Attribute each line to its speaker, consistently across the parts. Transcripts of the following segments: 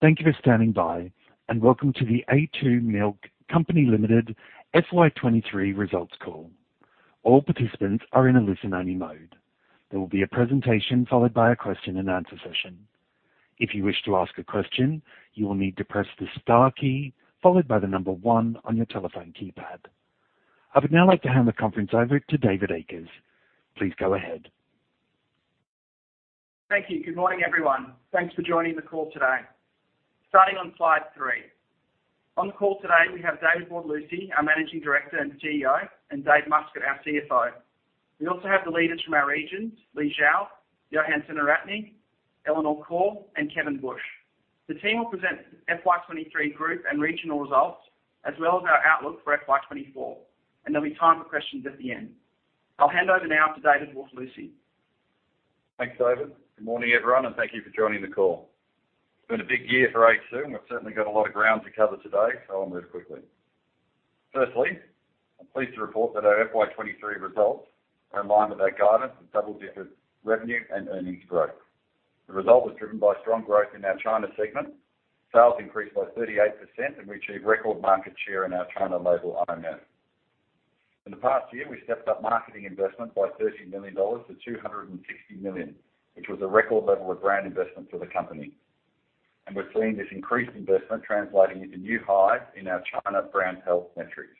Speaker 1: Thank you for standing by, and welcome to The a2 Milk Company Limited FY 2023 results call. All participants are in a listen-only mode. There will be a presentation followed by a question and answer session. If you wish to ask a question, you will need to press the star key followed by the number one on your telephone keypad. I would now like to hand the conference over to David Akers. Please go ahead.
Speaker 2: Thank you. Good morning, everyone. Thanks for joining the call today. Starting on slide three. On the call today, we have David Bortolussi, our Managing Director and CEO, and David Muscat, our CFO. We also have the leaders from our regions, Li Xiao, Yohan Senaratne, Eleanor Khor, and Kevin Bush. The team will present FY 2023 group and regional results, as well as our outlook for FY 2024, and there'll be time for questions at the end. I'll hand over now to David Bortolussi.
Speaker 3: Thanks, David. Good morning, everyone, and thank you for joining the call. It's been a big year for a2. We've certainly got a lot of ground to cover today, so I'll move quickly. Firstly, I'm pleased to report that our FY 2023 results are in line with our guidance for double-digit revenue and earnings growth. The result was driven by strong growth in our China segment. Sales increased by 38%. We achieved record market share in our China label IMF. In the past year, we stepped up marketing investment by 30 million dollars to 260 million, which was a record level of brand investment for the company. We're seeing this increased investment translating into new highs in our China brand health metrics.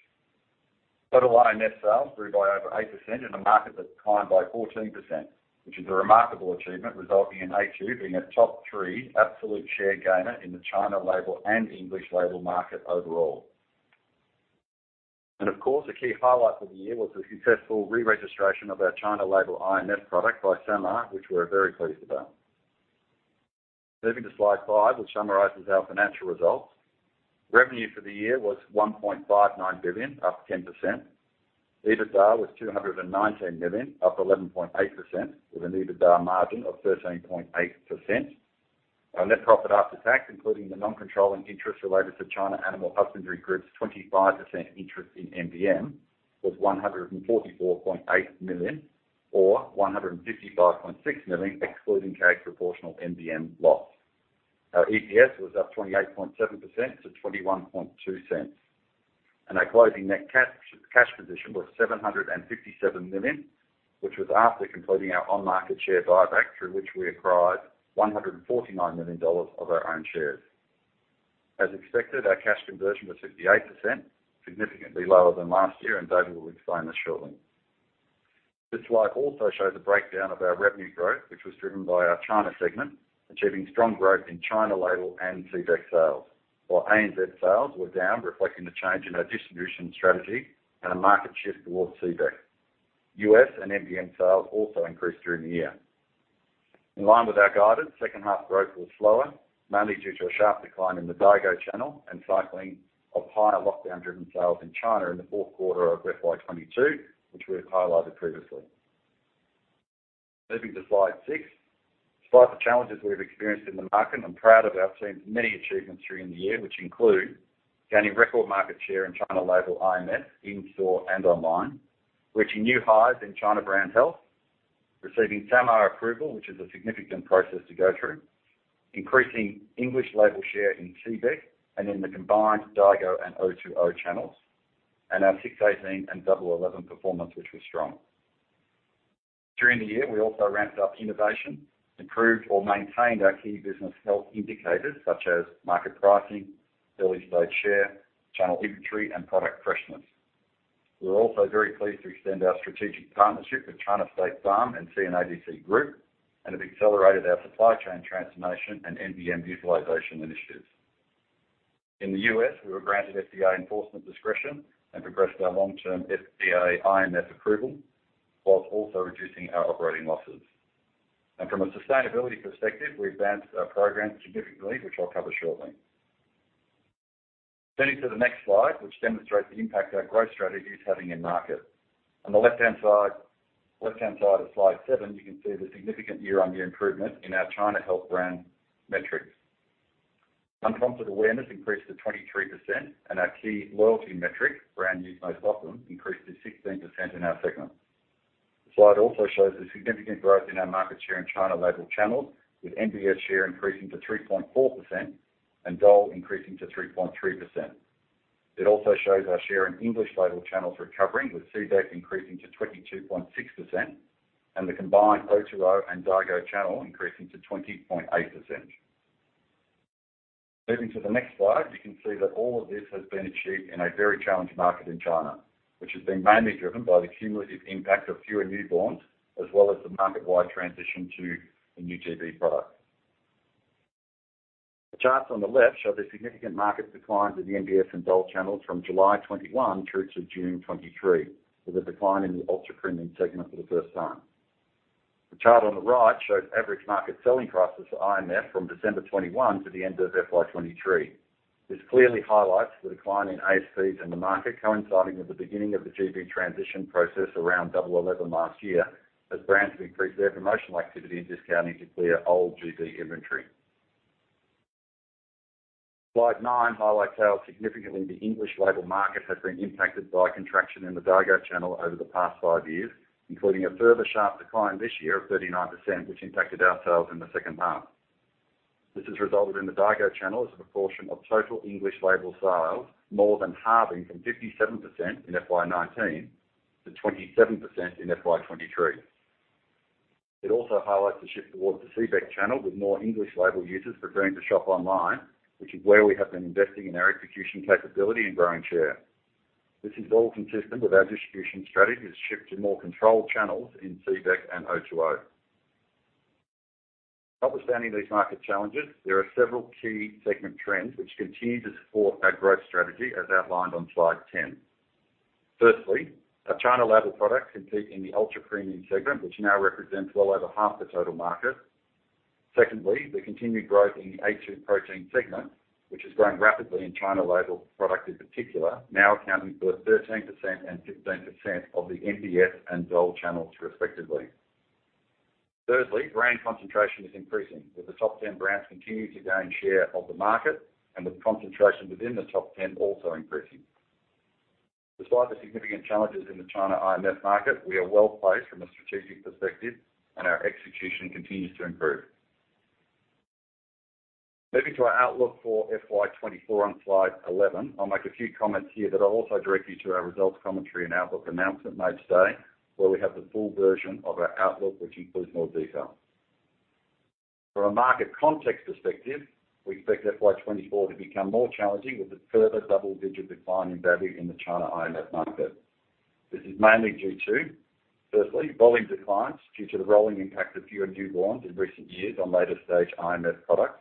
Speaker 3: Total IMF sales grew by over 8% in a market that declined by 14%, which is a remarkable achievement, resulting in a2 being a top three absolute share gainer in the China label and English label market overall. Of course, a key highlight for the year was the successful re-registration of our China label IMF product by SAMR, which we're very pleased about. Moving to slide five, which summarizes our financial results. Revenue for the year was 1.59 billion, up 10%. EBITDA was 219 million, up 11.8%, with an EBITDA margin of 13.8%. Our net profit after tax, including the non-controlling interest related to China Animal Husbandry Group's 25% interest in MVM, was 144.8 million, or 155.6 million, excluding carry proportional MVM loss. Our EPS was up 28.7% to 0.212. Our closing net cash, cash position was 757 million, which was after completing our on-market share buyback, through which we acquired 149 million dollars of our own shares. As expected, our cash conversion was 68%, significantly lower than last year. David will explain this shortly. This slide also shows a breakdown of our revenue growth, which was driven by our China segment, achieving strong growth in China label and CBEC sales, while ANZ sales were down, reflecting the change in our distribution strategy and a market shift towards CBEC. U.S. and MVM sales also increased during the year. In line with our guidance, second half growth was slower, mainly due to a sharp decline in the Daigou channel and cycling of higher lockdown-driven sales in China in the fourth quarter of FY 2022, which we have highlighted previously. Moving to slide six. Despite the challenges we've experienced in the market, I'm proud of our team's many achievements during the year, which include gaining record market share in China label IMF, in-store and online, reaching new highs in China brand health, receiving SAMR approval, which is a significant process to go through, increasing English label share in CBEC and in the combined Daigou and O2O channels, and our 618 and Double 11 performance, which was strong. During the year, we also ramped up innovation, improved or maintained our key business health indicators, such as market pricing, early stage share, channel inventory, and product freshness. We're also very pleased to extend our strategic partnership with China State Farm and CNADC Group and have accelerated our supply chain transformation and MVM utilization initiatives. In the U.S., we were granted FDA enforcement discretion and progressed our long-term FDA IMF approval, while also reducing our operating losses. From a sustainability perspective, we advanced our program significantly, which I'll cover shortly. Turning to the next slide, which demonstrates the impact our growth strategy is having in market. On the left-hand side of slide seven, you can see the significant year-on-year improvement in our China health brand metrics. Unprompted awareness increased to 23%, and our key loyalty metric, brand used most often, increased to 16% in our segment. The slide also shows a significant growth in our market share in China label channels, with MBS share increasing to 3.4% and DOL increasing to 3.3%. It also shows our share in English label channels recovering, with CBEC increasing to 22.6% and the combined O2O and Daigou channel increasing to 20.8%. Moving to the next slide, you can see that all of this has been achieved in a very challenged market in China, which has been mainly driven by the cumulative impact of fewer newborns, as well as the market-wide transition to the new GB product. The charts on the left show the significant market declines in the MBS and DOL channels from July 2021 through to June 2023, with a decline in the ultra-premium segment for the first time. The chart on the right shows average market selling prices for IMF from December 2021 to the end of FY 2023. This clearly highlights the decline in ASPs in the market, coinciding with the beginning of the GB transition process around double eleven last year, as brands increased their promotional activity and discounting to clear old GB inventory. Slide nine highlights how significantly the English label market has been impacted by contraction in the Daigou channel over the past five years, including a further sharp decline this year of 39%, which impacted our sales in the second half. This has resulted in the Daigou channel as a proportion of total English label sales, more than halving from 57% in FY 2019 to 27% in FY 2023. It also highlights the shift towards the CBEC channel, with more English label users preferring to shop online, which is where we have been investing in our execution capability and growing share. This is all consistent with our distribution strategy, as shift to more controlled channels in CBEC and O2O. Notwithstanding these market challenges, there are several key segment trends which continue to support our growth strategy, as outlined on slide 10. Firstly, our China label products compete in the ultra-premium segment, which now represents well over half the total market. Secondly, the continued growth in the A2 protein segment, which is growing rapidly in China label product in particular, now accounting for 13% and 15% of the MBS and DOL channels, respectively. Thirdly, brand concentration is increasing, with the top 10 brands continuing to gain share of the market and with concentration within the top 10 also increasing. Despite the significant challenges in the China IMF market, we are well-placed from a strategic perspective, and our execution continues to improve. Moving to our outlook for FY 2024 on slide 11, I'll make a few comments here that I'll also direct you to our results, commentary, and outlook announcement made today, where we have the full version of our outlook, which includes more detail. From a market context perspective, we expect FY 2024 to become more challenging, with a further double-digit decline in value in the China IMF market. This is mainly due to, firstly, volume declines due to the rolling impact of fewer newborns in recent years on later-stage IMF products,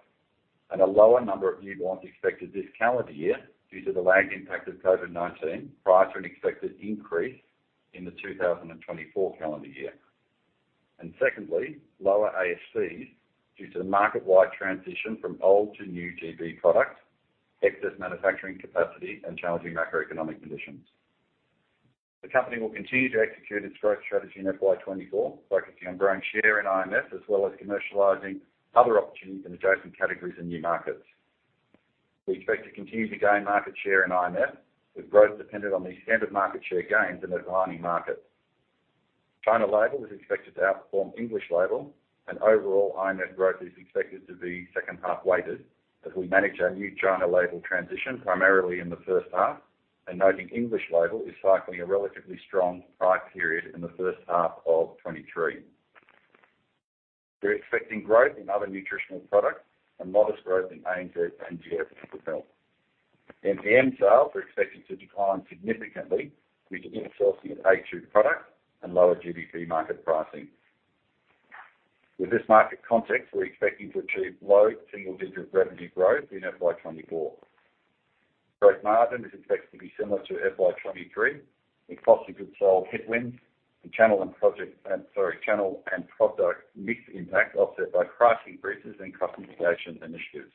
Speaker 3: and a lower number of newborns expected this calendar year due to the lagged impact of COVID-19, prior to an expected increase in the 2024 calendar year. Secondly, lower ASPs due to the market-wide transition from old to new GB product, excess manufacturing capacity, and challenging macroeconomic conditions. The company will continue to execute its growth strategy in FY 2024, focusing on growing share in IMF, as well as commercializing other opportunities in adjacent categories and new markets. We expect to continue to gain market share in IMF, with growth dependent on the extent of market share gains in a declining market. China label is expected to outperform English label. Overall IMF growth is expected to be second half-weighted as we manage our new China label transition, primarily in the first half. Noting English label is cycling a relatively strong price period in the first half of 2023. We're expecting growth in other nutritional products and modest growth in ANZ and USA. NPM sales are expected to decline significantly with the insourcing of A2 product and lower GB market pricing. With this market context, we're expecting to achieve low single-digit revenue growth in FY 2024. Gross margin is expected to be similar to FY 2023, with cost of goods sold headwinds and channel and project, sorry, channel and product mix impact, offset by price increases and cost mitigation initiatives.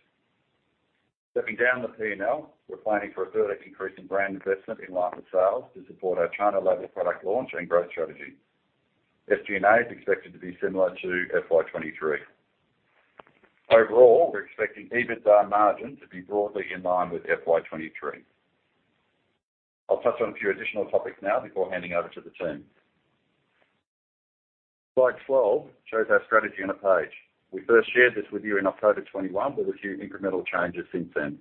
Speaker 3: Stepping down the P&L, we're planning for a further increase in brand investment in line with sales to support our China label product launch and growth strategy. SG&A is expected to be similar to FY 2023. Overall, we're expecting EBITDA margin to be broadly in line with FY 2023. I'll touch on a few additional topics now before handing over to the team. Slide 12 shows our strategy on a page. We first shared this with you in October 2021, with a few incremental changes since then.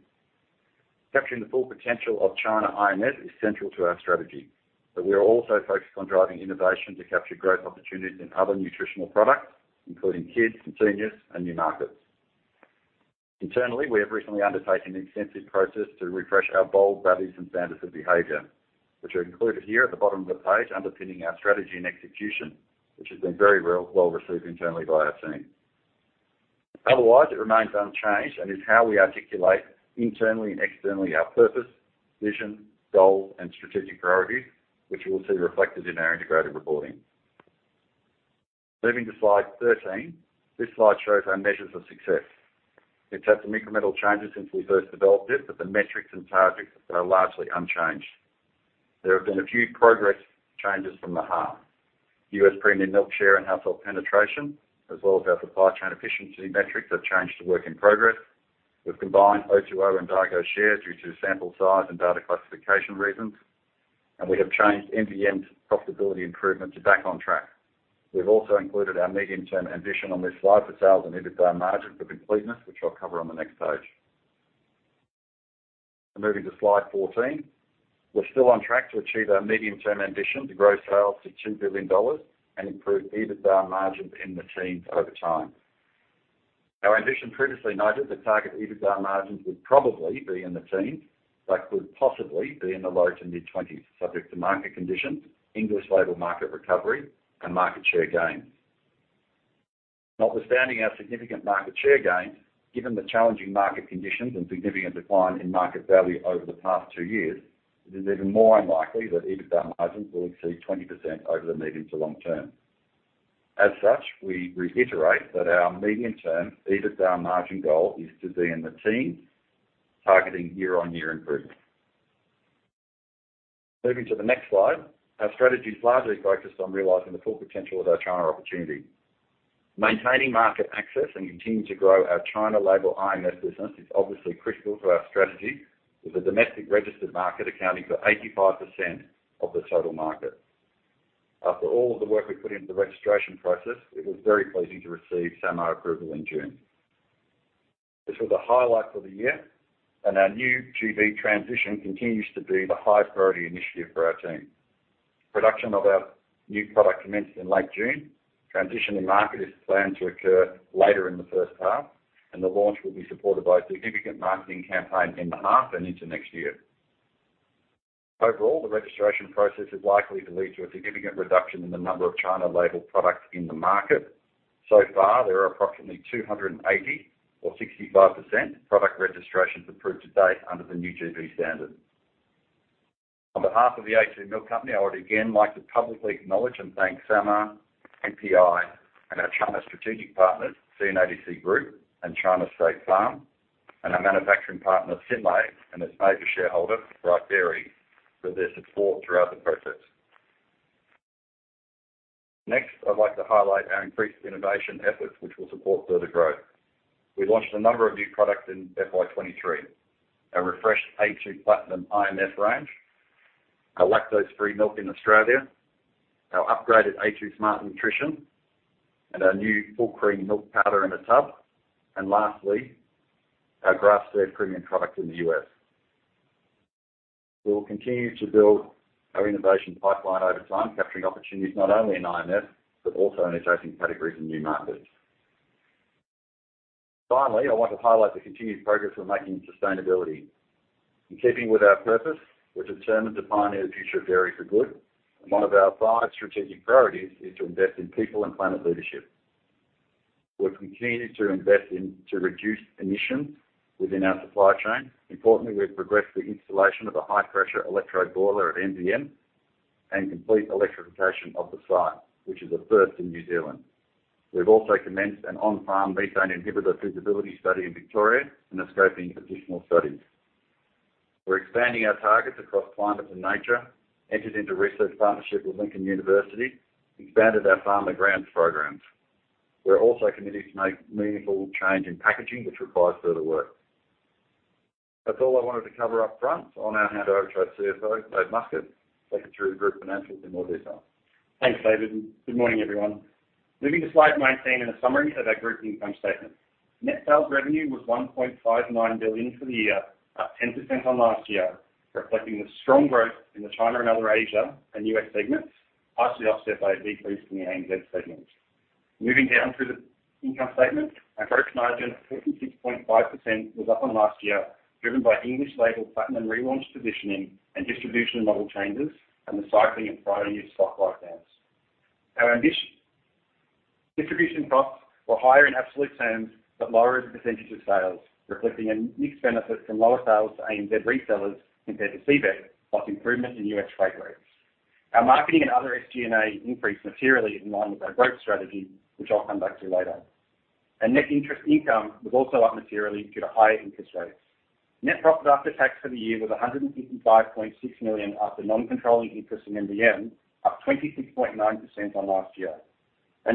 Speaker 3: Capturing the full potential of China IMF is central to our strategy. We are also focused on driving innovation to capture growth opportunities in other nutritional products, including kids, seniors, and new markets. Internally, we have recently undertaken an extensive process to refresh our bold values and standards of behavior, which are included here at the bottom of the page, underpinning our strategy and execution, which has been very well, well-received internally by our team. Otherwise, it remains unchanged and is how we articulate internally and externally our purpose, vision, goals, and strategic priority, which you will see reflected in our integrated reporting. Moving to slide 13. This slide shows our measures of success. It's had some incremental changes since we first developed it, but the metrics and targets are largely unchanged. There have been a few progress changes from the half. U.S. premium milk share and household penetration, as well as our supply chain efficiency metrics, have changed to work in progress. We've combined O2O and Daigou share due to sample size and data classification reasons, and we have changed NPN's profitability improvement to back on track. We've also included our medium-term ambition on this slide for sales and EBITDA margin for completeness, which I'll cover on the next page. Moving to slide 14. We're still on track to achieve our medium-term ambition to grow sales to $2 billion and improve EBITDA margins in the teens over time. Our ambition previously noted that target EBITDA margins would probably be in the teens, but could possibly be in the low to mid-20s, subject to market conditions, English label market recovery, and market share gains. Notwithstanding our significant market share gains, given the challenging market conditions and significant decline in market value over the past two years, it is even more unlikely that EBITDA margins will exceed 20% over the medium to long term. As such, we reiterate that our medium-term EBITDA margin goal is to be in the teens, targeting year-on-year improvement. Moving to the next slide. Our strategy is largely focused on realizing the full potential of our China opportunity. Maintaining market access and continuing to grow our China label IMF business is obviously critical to our strategy, with the domestic registered market accounting for 85% of the total market. After all of the work we put into the registration process, it was very pleasing to receive SAMR approval in June. This was a highlight for the year, and our new GB transition continues to be the high priority initiative for our team. Production of our new product commenced in late June. Transition to market is planned to occur later in the first half, and the launch will be supported by a significant marketing campaign in the half and into next year. Overall, the registration process is likely to lead to a significant reduction in the number of China-labeled products in the market. So far, there are approximately 280, or 65%, product registrations approved to date under the new GB standard. On behalf of The a2 Milk Company, I would again like to publicly acknowledge and thank SAMR, MPI, and our China strategic partners, CNADC Group and China State Farm, and our manufacturing partner, Synlait, and its major shareholder, Bright Dairy, for their support throughout the process. I'd like to highlight our increased innovation efforts, which will support further growth. We launched a number of new products in FY 2023. Our refreshed a2 Platinum IMF range, our lactose-free milk in Australia, our upgraded a2 Smart Nutrition, and our new full cream milk powder in a tub, and lastly, our Grassfed premium product in the U.S.. We will continue to build our innovation pipeline over time, capturing opportunities not only in IMF, but also in adjacent categories and new markets. I want to highlight the continued progress we're making in sustainability. In keeping with our purpose, we're determined to pioneer the future of dairy for good, and one of our five strategic priorities is to invest in people and planet leadership. We've continued to invest in, to reduce emissions within our supply chain. Importantly, we've progressed the installation of a high-pressure electro boiler at MVM and complete electrification of the site, which is a first in New Zealand. We've also commenced an on-farm methane inhibitor feasibility study in Victoria and are scoping additional studies. We're expanding our targets across climate and nature, entered into research partnership with Lincoln University, expanded our farmer grants programs. We're also committed to make meaningful change in packaging, which requires further work. That's all I wanted to cover up front. I'll now hand over to our CFO, David Muscat, take us through the group financials in more detail.
Speaker 4: Thanks, David. Good morning, everyone. Moving to slide 19, a summary of our group income statement. Net sales revenue was 1.59 billion for the year, up 10% on last year, reflecting the strong growth in the China and other Asia and U.S. segments, partially offset by a decrease in the ANZ segment. Moving down through the income statement, our gross margin of 46.5% was up on last year, driven by English label Platinum relaunch positioning and distribution model changes, the cycling and prior year stock write-downs. Distribution costs were higher in absolute terms, but lower as a percentage of sales, reflecting a mixed benefit from lower sales to ANZ resellers compared to CBEC, plus improvement in U.S. trade growth. Our marketing and other SG&A increased materially in line with our growth strategy, which I'll come back to later. Net interest income was also up materially due to higher interest rates. Net profit after tax for the year was 155.6 million after non-controlling interest in MVM, up 26.9% on last year.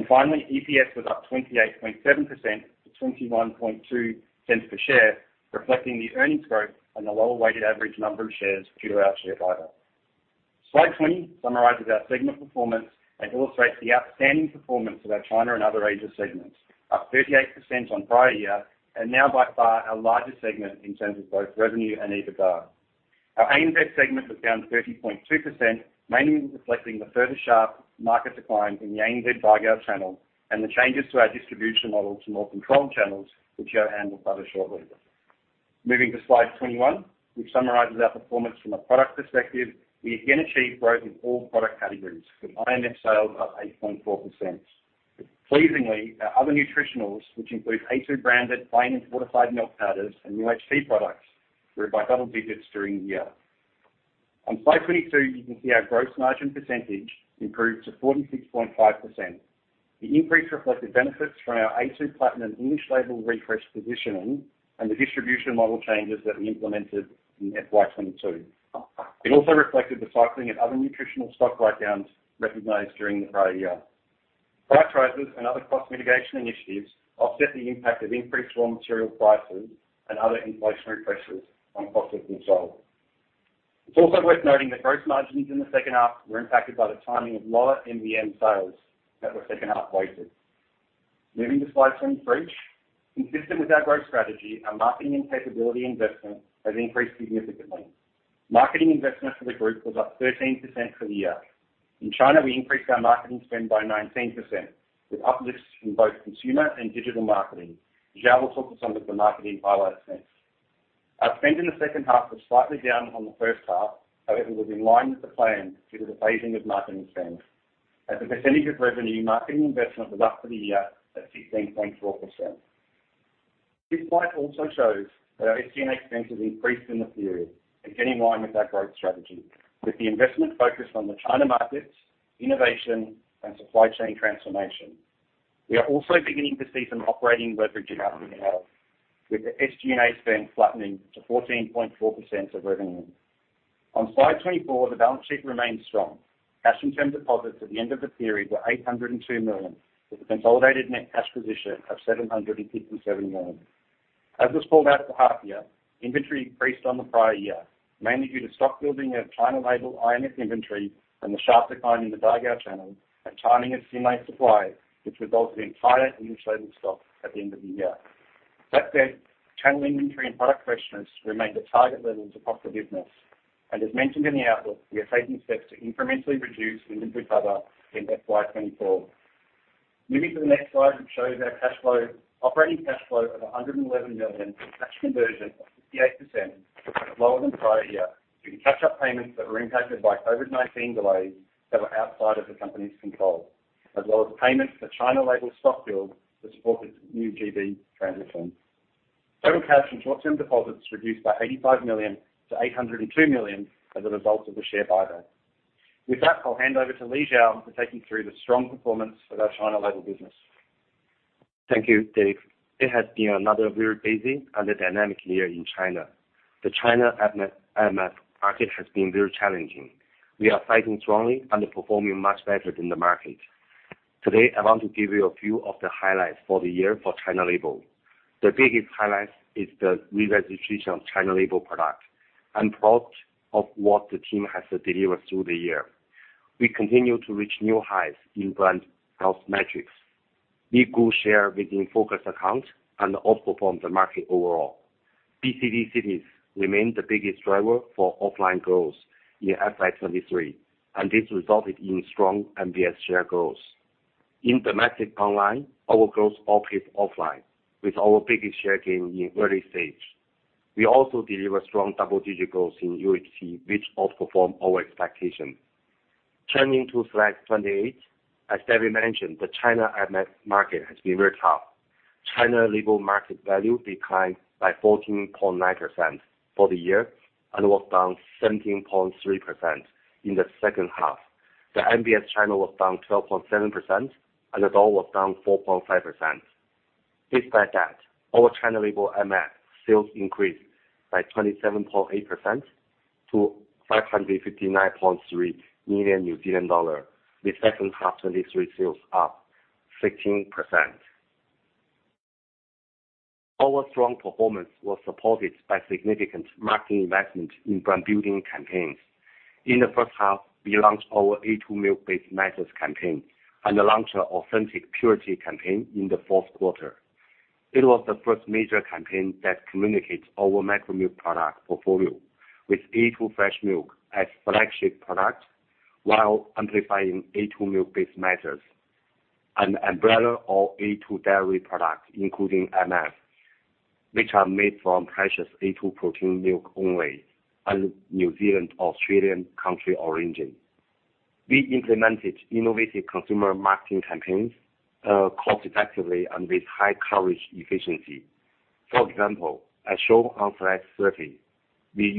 Speaker 4: Finally, EPS was up 28.7% to 0.212 per share, reflecting the earnings growth and the lower weighted average number of shares due to our share buyback. Slide 20 summarizes our segment performance and illustrates the outstanding performance of our China and other Asia segments, up 38% on prior year, and now by far our largest segment in terms of both revenue and EBITDA. Our ANZ segment was down 30.2%, mainly reflecting the further sharp market decline in the ANZ Daigou channel and the changes to our distribution model to more controlled channels, which Yohan will cover shortly. Moving to slide 21, which summarizes our performance from a product perspective. We again achieved growth in all product categories, with IMF sales up 8.4%. Pleasingly, our other nutritionals, which include a2 branded plain and fortified milk powders and UHT products, grew by double digits during the year. On slide 22, you can see our gross margin percentage improved to 46.5%. The increase reflected benefits from our a2 Platinum English label refresh positioning and the distribution model changes that we implemented in FY 2022. It also reflected the cycling and other nutritional stock write-downs recognized during the prior year. Price rises and other cost mitigation initiatives offset the impact of increased raw material prices and other inflationary pressures on cost of goods sold. It's also worth noting that gross margins in the second half were impacted by the timing of lower MVM sales that were second half weighted. Moving to slide 23, consistent with our growth strategy, our marketing and capability investment has increased significantly. Marketing investment for the group was up 13% for the year. In China, we increased our marketing spend by 19%, with uplifts in both consumer and digital marketing. Xiao will talk to some of the marketing highlights next. Our spend in the second half was slightly down on the first half, however, it was in line with the plan due to the phasing of marketing spend. As a percentage of revenue, marketing investment was up for the year at 16.4%. This slide also shows that our SG&A expense has increased in the period, again, in line with our growth strategy, with the investment focused on the China markets, innovation, and supply chain transformation. We are also beginning to see some operating leverage in health, with the SG&A spend flattening to 14.4% of revenue. On slide 24, the balance sheet remains strong. Cash and term deposits at the end of the period were 802 million, with a consolidated net cash position of 757 million. As was called out for half year, inventory increased on the prior year, mainly due to stock building of China label IMF inventory and the sharp decline in the Daigou channel and timing of CMA supply, which resulted in higher inventory stock at the end of the year. That said, channel inventory and product freshness remained at target levels across the business, and as mentioned in the outlook, we are taking steps to incrementally reduce inventory cover in FY 2024. Moving to the next slide, which shows our cash flow. Operating cash flow of $111 million, cash conversion of 58%, lower than prior year, due to catch-up payments that were impacted by COVID-19 delays that were outside of the company's control, as well as payments for China label stock build to support its new GB transition. Total cash and short-term deposits reduced by $85 million to $802 million as a result of the share buyback. With that, I'll hand over to Li Xiao to take you through the strong performance of our China label business.
Speaker 5: Thank you, Dave. It has been another very busy and a dynamic year in China. The China IMF market has been very challenging. We are fighting strongly and performing much better than the market. Today, I want to give you a few of the highlights for the year for China label. The biggest highlight is the reregistration of China label product. I'm proud of what the team has delivered through the year. We continue to reach new highs in brand health metrics. We grew share within focus accounts and outperformed the market overall. lower-tier cities remained the biggest driver for offline growth in FY 2023. This resulted in strong MBS share growth. In domestic online, our growth outpaced offline, with our biggest share gain in early stage. We also deliver strong double-digit growth in O2O, which outperformed our expectation. Turning to slide 28, as David mentioned, the China MF market has been very tough. China label market value declined by 14.9% for the year and was down 17.3% in the second half. The MBS channel was down 12.7%, and the DOL was down 4.5%. Despite that, our China label MF sales increased by 27.8% to 559.3 million New Zealand dollar, with second half 2023 sales up 16%. Our strong performance was supported by significant marketing investment in brand building campaigns. In the first half, we launched our a2 Milk-based message campaign and launched our Authentic Purity campaign in the fourth quarter. It was the first major campaign that communicates our macro milk product portfolio, with a2 fresh milk as flagship product, while amplifying a2 Milk-based messages, an umbrella of a2 dairy products, including MF, which are made from precious A2 protein milk only and New Zealand, Australian country origin. We implemented innovative consumer marketing campaigns, cost effectively and with high coverage efficiency. For example, as shown on slide 30, we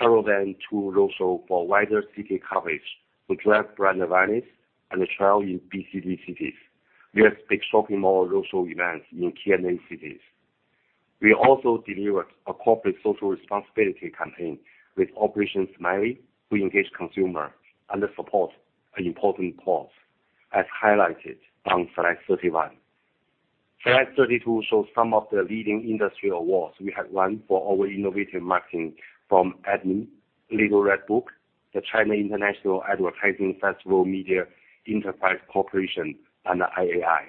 Speaker 5: use more than two roadshow for wider city coverage to drive brand awareness and trial in lower-tier cities. We have big shopping mall roadshow events in key MA cities. We also delivered a corporate social responsibility campaign with Operation Smile, we engage consumer and support an important cause, as highlighted on slide 31. Slide 32 shows some of the leading industry awards we have won for our innovative marketing from Adman, Little Red Book, the China International Advertising Festival, Media Enterprise Corporation, and the IAI.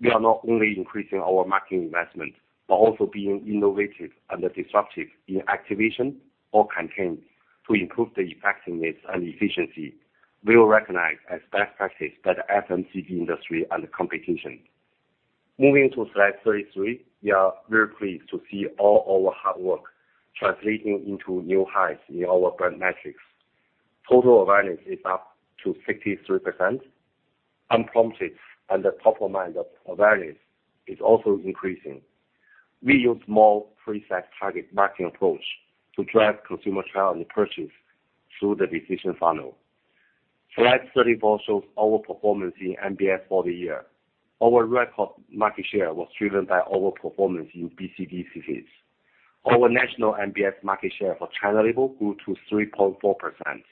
Speaker 5: We are not only increasing our marketing investment, but also being innovative and disruptive in activation or campaigns to improve the effectiveness and efficiency. We were recognized as best practice by the FMCG industry and the competition. Moving to slide 33, we are very pleased to see all our hard work translating into new highs in our brand metrics. Total awareness is up to 63%, unprompted, and the top-of-mind awareness is also increasing. We use more precise target marketing approach to drive consumer trial and purchase through the decision funnel. Slide 34 shows our performance in MBS for the year. Our record market share was driven by our performance in lower-tier cities. Our national MBS market share for China label grew to 3.4%.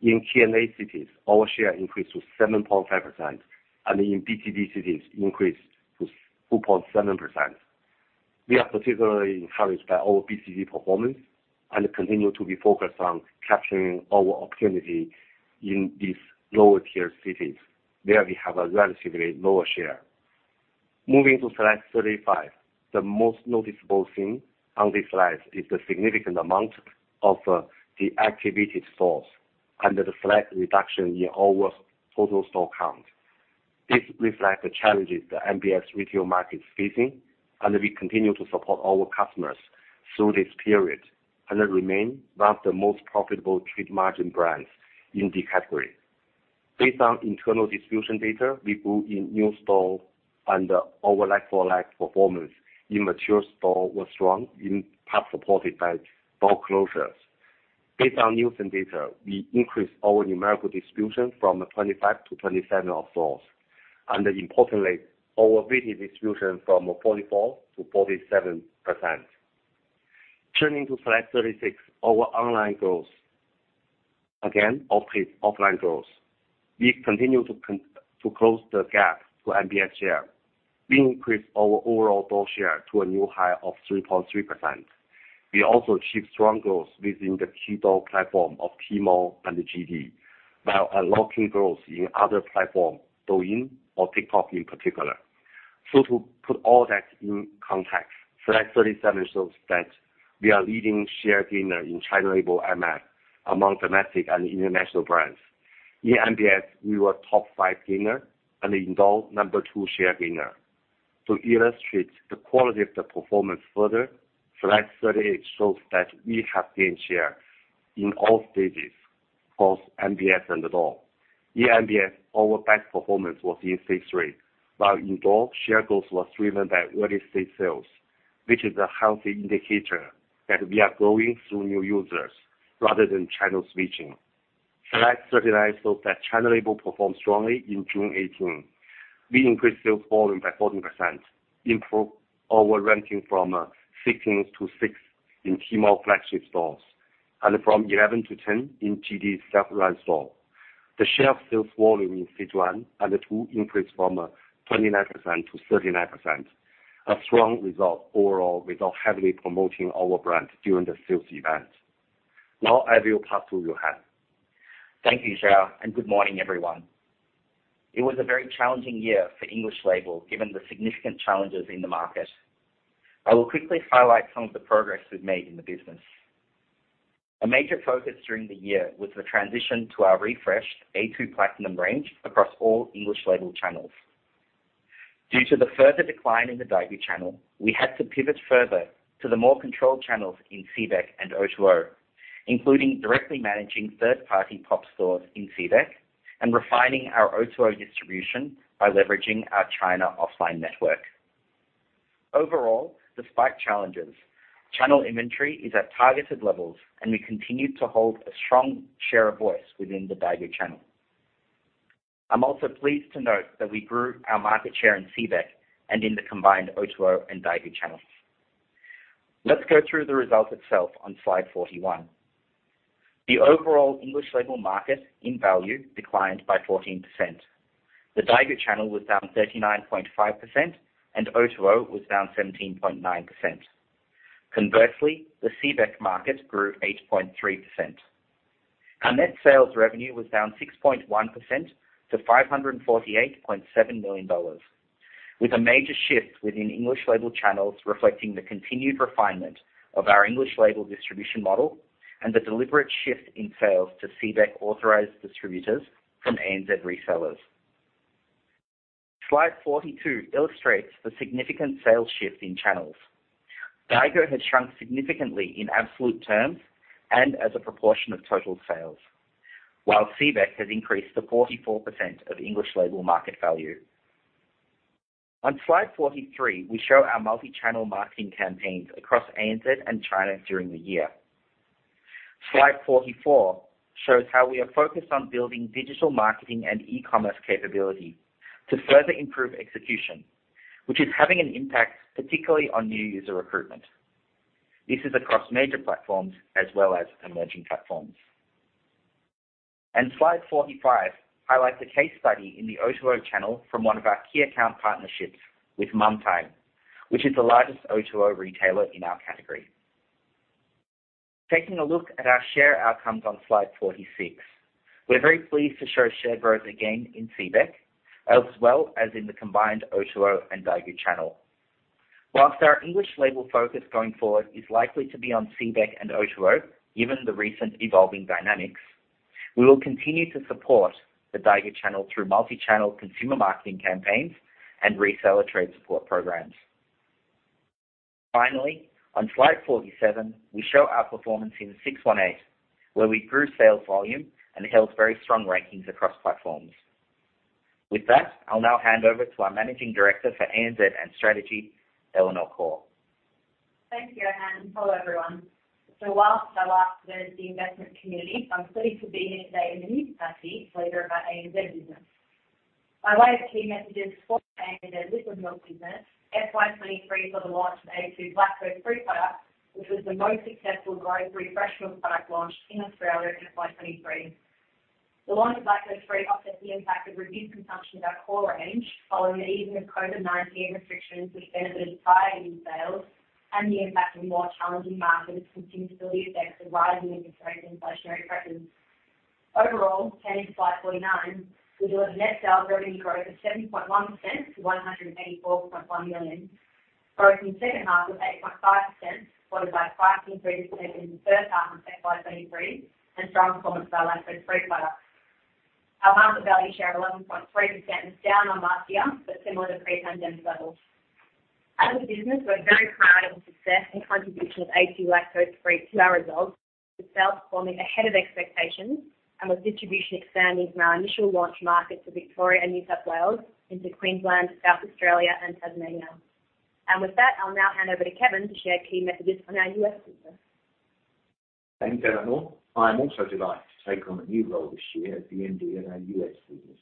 Speaker 5: In BCD cities, our share increased to 7.5%, and in lower-tier cities, increased to 2.7%. We are particularly encouraged by our BCD performance and continue to be focused on capturing our opportunity in these lower-tier cities, where we have a relatively lower share. Moving to slide 35, the most noticeable thing on this slide is the significant amount of deactivated stores, under the slight reduction in our total store count. This reflects the challenges the MBS retail market is facing, and we continue to support our customers through this period, and they remain one of the most profitable trade margin brands in the category. Based on internal distribution data, we grew in new stores, and our like-for-like performance in mature stores was strong and part supported by store closures.... Based on Nielsen data, we increased our numerical distribution from 25-27 of stores, and importantly, our video distribution from 44%-47%. Turning to slide 36, our online growth. offline growth. We continue to close the gap to MBS share. We increased our overall door share to a new high of 3.3%. We also achieved strong growth within the key door platform of Tmall and the JD.com, while unlocking growth in other platforms, Douyin or TikTok in particular. To put all that in context, slide 37 shows that we are leading share gainer in China label IMF, among domestic and international brands. In MBS, we were top five gainer and in door, number two share gainer. To illustrate the quality of the performance further, slide 38 shows that we have gained share in all stages, both MBS and DOL. In MBS, our best performance was in phase three, while in DOL, share goals were driven by early stage sales, which is a healthy indicator that we are growing through new users rather than channel switching. Slide 39 shows that China label performed strongly in June 18. We increased sales volume by 14%, improved our ranking from 16 to six in Tmall flagship stores, and from 11 to 10 in JD.com authorized store. The share of sales volume in Sichuan and the two increased from 29% to 39%. A strong result overall, without heavily promoting our brand during the sales event. Now, I will pass to Yohan.
Speaker 6: Thank you, Xiao, and good morning, everyone. It was a very challenging year for English label, given the significant challenges in the market. I will quickly highlight some of the progress we've made in the business. A major focus during the year was the transition to our refreshed a2 Platinum range across all English label channels. Due to the further decline in the Daigou channel, we had to pivot further to the more controlled channels in CBEC and O2O, including directly managing third-party pop stores in CBEC and refining our O2O distribution by leveraging our China offline network. Overall, despite challenges, channel inventory is at targeted levels, and we continue to hold a strong share of voice within the Daigou channel. I'm also pleased to note that we grew our market share in CBEC and in the combined O2O and Daigou channels. Let's go through the results itself on slide 41. The overall English label market, in value, declined by 14%. The Daigou channel was down 39.5%, and O2O was down 17.9%. Conversely, the CBEC market grew 8.3%. Our net sales revenue was down 6.1% to 548.7 million dollars, with a major shift within English label channels, reflecting the continued refinement of our English label distribution model and the deliberate shift in sales to CBEC authorized distributors from ANZ resellers. Slide 42 illustrates the significant sales shift in channels. Daigou has shrunk significantly in absolute terms and as a proportion of total sales, while CBEC has increased to 44% of English label market value. On slide 43, we show our multi-channel marketing campaigns across ANZ and China during the year. Slide 44 shows how we are focused on building digital marketing and e-commerce capability to further improve execution, which is having an impact, particularly on new user recruitment. This is across major platforms as well as emerging platforms. Slide 45 highlights a case study in the O2O channel from one of our key account partnerships with Momtime, which is the largest O2O retailer in our category. Taking a look at our share outcomes on slide 46, we're very pleased to show share growth again in CBEC, as well as in the combined O2O and Daigou channel. Whilst our English label focus going forward is likely to be on CBEC and O2O, given the recent evolving dynamics, we will continue to support the Daigou channel through multi-channel consumer marketing campaigns and reseller trade support programs. Finally, on slide 47, we show our performance in 618, where we grew sales volume and held very strong rankings across platforms. With that, I'll now hand over to our Managing Director for ANZ and Strategy, Eleanor Khor.
Speaker 7: Thank you, Yohan, and hello, everyone. Whilst I like the investment community, I'm pleased to be here today in the capacity, leader of our ANZ business. My way of key messages for ANZ liquid milk business, FY 2023, for the launch of a2 Milk Lactose Free product, which was the most successful growth refreshment product launch in Australia in FY 2023. The launch of a2 Milk Lactose Free offset the impact of reduced consumption of our core range, following the easing of COVID-19 restrictions, which benefited higher in sales and the impact of more challenging markets and visibility effects of rising interest rates and inflationary pressures. Overall, turning to slide 49, we delivered net sales revenue growth of 7.1% to 184.1 million, growing in the second half of 8.5%, supported by 5.3% in the first half of FY 2023, and strong performance by Lactose Free products. Our market value share of 11.3% is down on last year, but similar to pre-pandemic levels. As a business, we're very proud of the success and contribution of a2 Lactose Free to our results, with sales performing ahead of expectations and with distribution expanding from our initial launch market to Victoria and New South Wales into Queensland, South Australia, and Tasmania. With that, I'll now hand over to Kevin to share key messages from our U.S. business.
Speaker 8: Thanks, Eleanor. I'm also delighted to take on a new role this year as the MD of our U.S. business.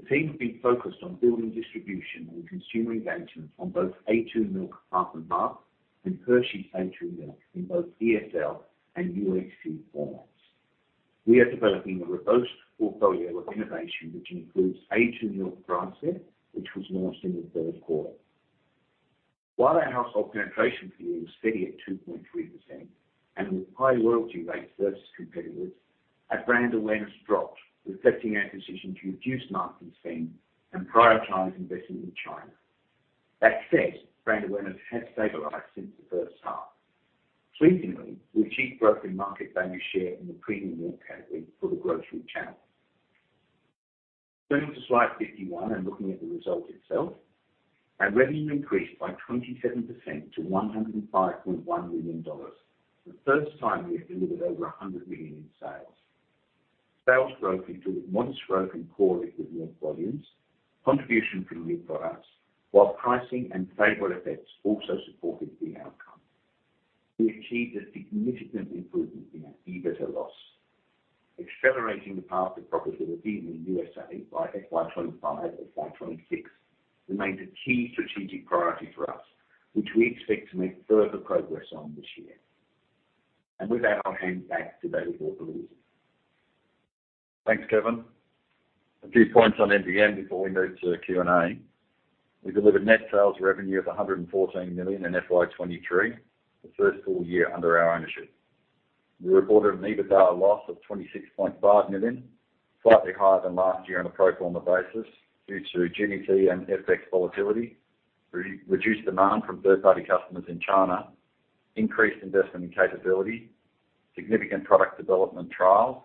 Speaker 8: The team has been focused on building distribution and consumer engagement on both a2 Milk Half and Half and Hershey's a2 Milk in both DOL and O2O formats. We are developing a robust portfolio of innovation, which includes a2 Milk Grassfed, which was launched in the third quarter. While our household penetration for you is steady at 2.3% and with high loyalty rates versus competitors, our brand awareness dropped, reflecting our decision to reduce marketing spend and prioritize investing in China. That said, brand awareness has stabilized since the first half. Pleasingly, we achieved growth in market value share in the premium milk category for the grocery channel. Going to slide 51 and looking at the result itself, our revenue increased by 27% to $105.1 million. The first time we have delivered over $100 million in sales. Sales growth included modest growth in core equivalent volumes, contribution from new products, while pricing and favorable effects also supported the outcome. We achieved a significant improvement in our EBITDA loss, accelerating the path to profitability in the USA by FY 2025 or FY 2026 remains a key strategic priority for us, which we expect to make further progress on this year. With that, I'll hand back to David Bortolussi.
Speaker 3: Thanks, Kevin. A few points on MVM before we move to Q&A. We delivered net sales revenue of 114 million in FY 2023, the first full-year under our ownership. We reported an EBITDA loss of 26.5 million, slightly higher than last year on a pro forma basis due to G&A and FX volatility, reduced demand from third-party customers in China, increased investment in capability, significant product development trials,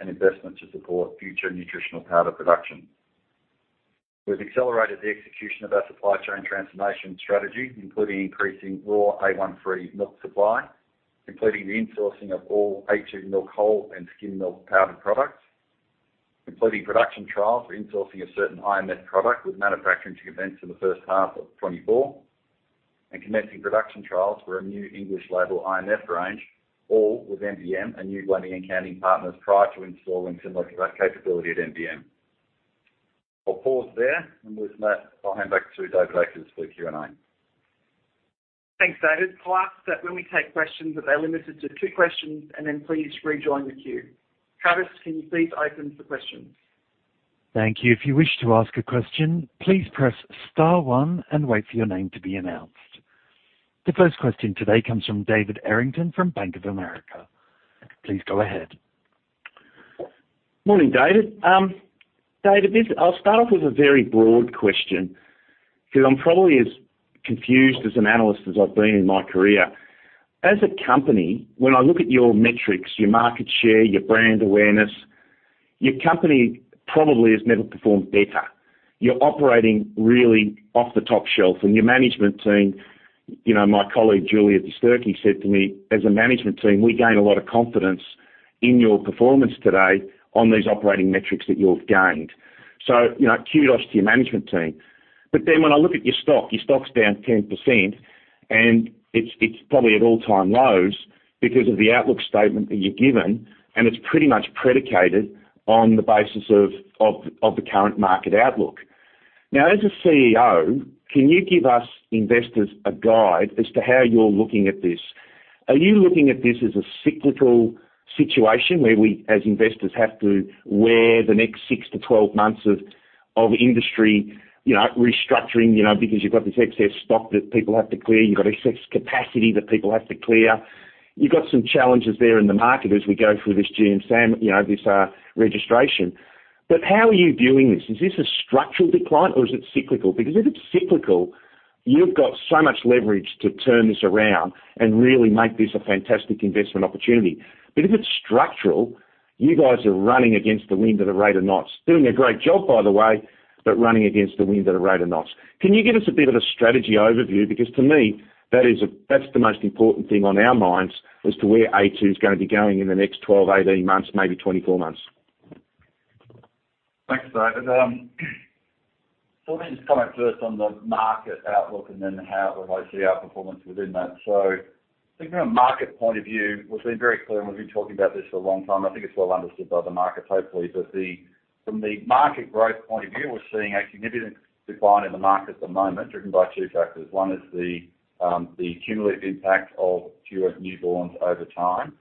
Speaker 3: and investment to support future nutritional powder production. We've accelerated the execution of our supply chain transformation strategy, including increasing raw A1 free milk supply, completing the insourcing of all A2 milk, whole, and skim milk powder products. Completing production trials for insourcing a certain IMF product, with manufacturing to commence in the first half of 2024, and commencing production trials for a new English label IMF range, all with MVM and new blending and canning partners prior to installing similar to that capability at MVM. I'll pause there, and with that, I'll hand back to David Akers for Q&A.
Speaker 2: Thanks, David. I'll ask that when we take questions, that they're limited to two questions, and then please rejoin the queue. Travis, can you please open the questions?
Speaker 1: Thank you. If you wish to ask a question, please press star one and wait for your name to be announced. The first question today comes from David Errington from Bank of America. Please go ahead.
Speaker 9: Morning, David. David, I'll start off with a very broad question, because I'm probably as confused as an analyst as I've been in my career. As a company, when I look at your metrics, your market share, your brand awareness, your company probably has never performed better. You're operating really off the top shelf, and your management team, you know, my colleague, Julia Disterke, said to me, "As a management team, we gain a lot of confidence in your performance today on these operating metrics that you've gained." You know, kudos to your management team. When I look at your stock, your stock's down 10%, and it's probably at all-time lows because of the outlook statement that you've given, and it's pretty much predicated on the basis of the current market outlook. As a CEO, can you give us investors a guide as to how you're looking at this? Are you looking at this as a cyclical situation, where we, as investors, have to wear the next six to 12 months of, of industry, you know, restructuring, you know, because you've got this excess stock that people have to clear, you've got excess capacity that people have to clear? You've got some challenges there in the market as we go through this GB SAMR, you know, this registration. How are you viewing this? Is this a structural decline or is it cyclical? Because if it's cyclical, you've got so much leverage to turn this around and really make this a fantastic investment opportunity. If it's structural, you guys are running against the wind at a rate of knots. Doing a great job, by the way, running against the wind at a rate of knots. Can you give us a bit of a strategy overview? To me, that's the most important thing on our minds as to where a2 is gonna be going in the next 12, 18 months, maybe 24 months.
Speaker 3: Thanks, David. Let me just comment first on the market outlook and then how, well, I see our performance within that. I think from a market point of view, we've been very clear, and we've been talking about this for a long time. I think it's well understood by the market, hopefully. From the market growth point of view, we're seeing a significant decline in the market at the moment, driven by two factors. One is the cumulative impact of fewer newborns over time,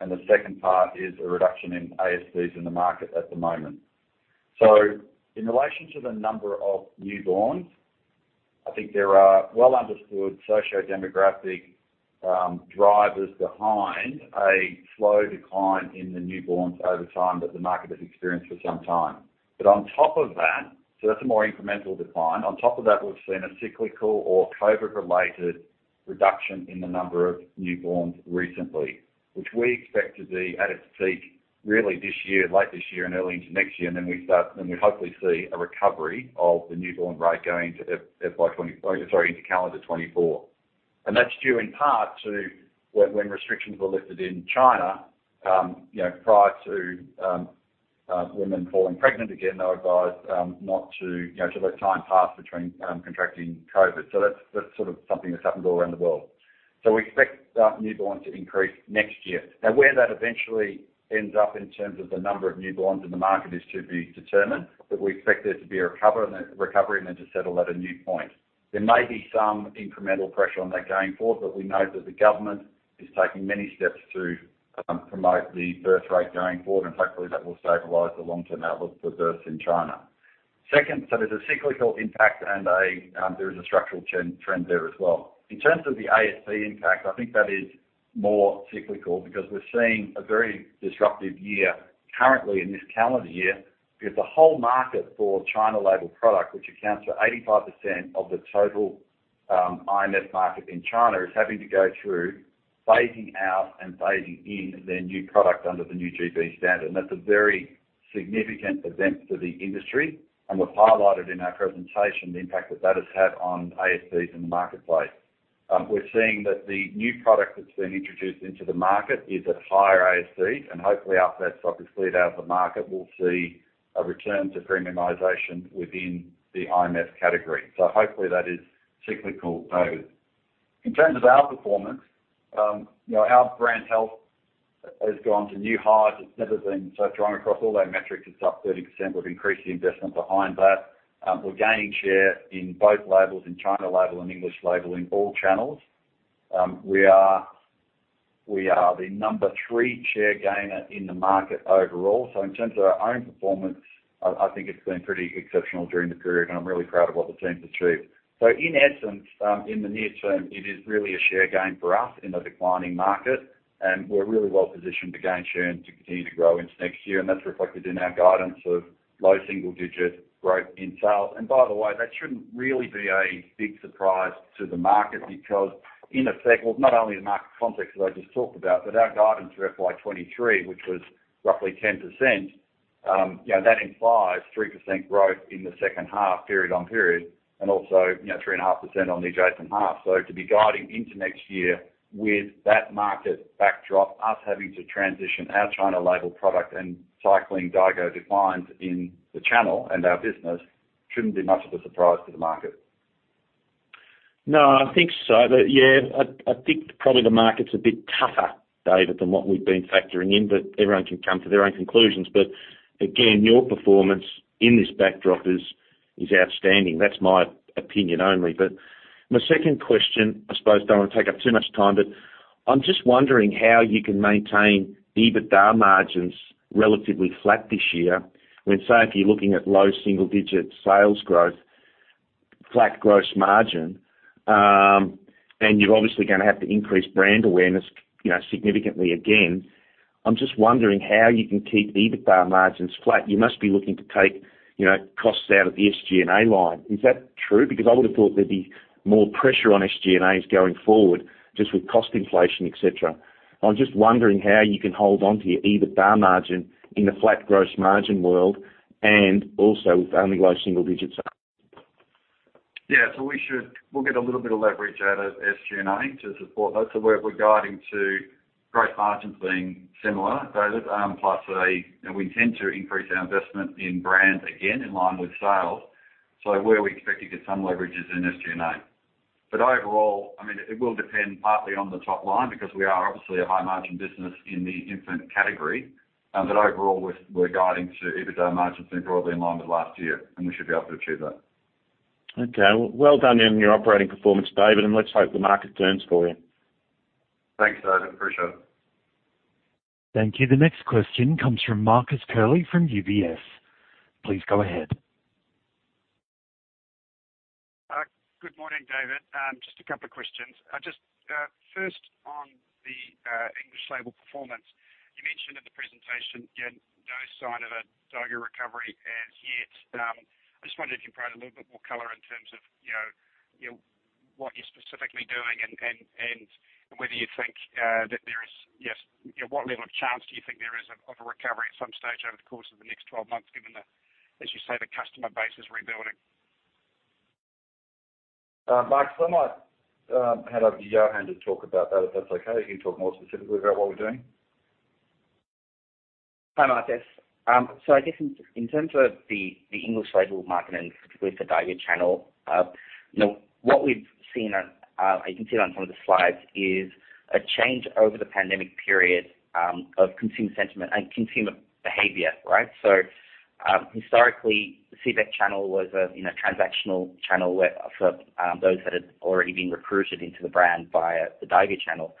Speaker 3: and the second part is a reduction in ASVs in the market at the moment. In relation to the number of newborns, I think there are well-understood sociodemographic drivers behind a slow decline in the newborns over time that the market has experienced for some time. On top of that, that's a more incremental decline. On top of that, we've seen a cyclical or COVID-related reduction in the number of newborns recently, which we expect to be at its peak really this year, late this year and early into next year. We hopefully see a recovery of the newborn rate going into FY 20— sorry, into calendar 2024. That's due in part to when, when restrictions were lifted in China, you know, prior to women falling pregnant again, they were advised not to, you know, to let time pass between contracting COVID. That's, that's sort of something that's happened all around the world. We expect newborns to increase next year. Where that eventually ends up in terms of the number of newborns in the market is to be determined, but we expect there to be a recovery and then to settle at a new point. There may be some incremental pressure on that going forward, but we know that the government is taking many steps to promote the birth rate going forward, and hopefully, that will stabilize the long-term outlook for births in China. Second, there's a cyclical impact and a structural trend there as well. In terms of the ASP impact, I think that is more cyclical because we're seeing a very disruptive year currently in this calendar year. The whole market for China label product, which accounts for 85% of the total IMF market in China, is having to go through phasing out and phasing in their new product under the new GB standard. That's a very significant event for the industry, and we've highlighted in our presentation the impact that that has had on ASPs in the marketplace. We're seeing that the new product that's been introduced into the market is at higher ASP, and hopefully after that stock is cleared out of the market, we'll see a return to premiumization within the IMF category. Hopefully that is cyclical, David. In terms of our performance, you know, our brand health has gone to new highs. It's never been so strong across all our metrics. It's up 30%. We've increased the investment behind that. We're gaining share in both labels, in China label and English label, in all channels. We are the number three share gainer in the market overall. In terms of our own performance, I think it's been pretty exceptional during the period, and I'm really proud of what the team's achieved. In essence, in the near term, it is really a share gain for us in a declining market, and we're really well positioned to gain share and to continue to grow into next year. That's reflected in our guidance of low single-digit growth in sales. By the way, that shouldn't really be a big surprise to the market, because not only the market context that I just talked about, but our guidance for FY 2023, which was roughly 10%, you know, that implies 3% growth in the second half, period on period, and also, you know, 3.5% on the adjacent half. To be guiding into next year with that market backdrop, us having to transition our China label product and cycling Daigou declines in the channel and our business shouldn't be much of a surprise to the market.
Speaker 9: No, I think so. Yeah, I, I think probably the market's a bit tougher, David, than what we've been factoring in, but everyone can come to their own conclusions. Again, your performance in this backdrop is, is outstanding. That's my opinion only. My second question, I suppose, don't want to take up too much time, but I'm just wondering how you can maintain EBITDA margins relatively flat this year, when, say, if you're looking at low single-digit sales growth, flat gross margin, and you're obviously going to have to increase brand awareness, you know, significantly again. I'm just wondering how you can keep EBITDA margins flat. You must be looking to take, you know, costs out of the SG&A line. Is that true? Because I would have thought there'd be more pressure on SG&As going forward, just with cost inflation, et cetera. I'm just wondering how you can hold on to your EBITDA margin in a flat gross margin world and also with only low single digits.
Speaker 3: Yeah, we'll get a little bit of leverage out of SG&A to support that. We're guiding to gross margins being similar, David. We tend to increase our investment in brand again in line with sales. Where we expect to get some leverage is in SG&A. Overall, I mean, it will depend partly on the top line, because we are obviously a high-margin business in the infant category. Overall, we're guiding to EBITDA margins being broadly in line with last year, and we should be able to achieve that.
Speaker 9: Okay. Well done on your operating performance, David, and let's hope the market turns for you.
Speaker 3: Thanks, David. Appreciate it.
Speaker 1: Thank you. The next question comes from Marcus Curley, from UBS. Please go ahead.
Speaker 10: Good morning, David. Just two questions. First, on the English label performance, you mentioned in the presentation, again, no sign of a Daigou recovery. Yet, I just wondered if you could provide a little bit more color in terms of, you know, you know, what you're specifically doing and whether you think that there is, yes, you know, what level of chance do you think there is of a recovery at some stage over the course of the next 12 months, given the... As you say, the customer base is rebuilding.
Speaker 3: Marcus, I might hand over to Yohan to talk about that, if that's okay. He can talk more specifically about what we're doing.
Speaker 6: Hi, Marcus. I guess in, in terms of the, the English label market and with the Daigou channel, you know, what we've seen, and, you can see it on some of the slides, is a change over the pandemic period of consumer sentiment and consumer behavior, right? Historically, the CBEC channel was a, you know, transactional channel where for those that had already been recruited into the brand via the Daigou channel.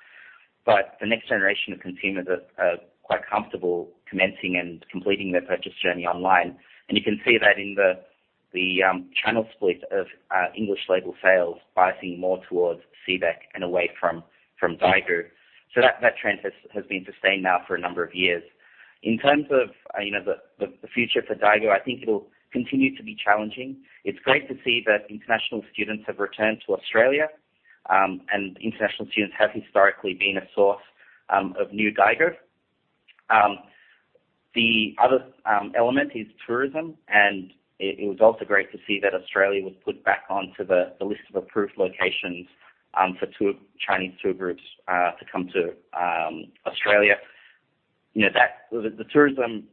Speaker 6: The next generation of consumers are, are quite comfortable commencing and completing their purchase journey online. You can see that in the, the channel split of English label sales biasing more towards CBEC and away from, from Daigou. That, that trend has, has been sustained now for a number of years. In terms of, you know, the future for Daigou, I think it'll continue to be challenging. It's great to see that international students have returned to Australia, and international students have historically been a source of new Daigou. The other element is tourism, and it was also great to see that Australia was put back onto the list of approved locations for Chinese tour groups to come to Australia. You know, that the tourism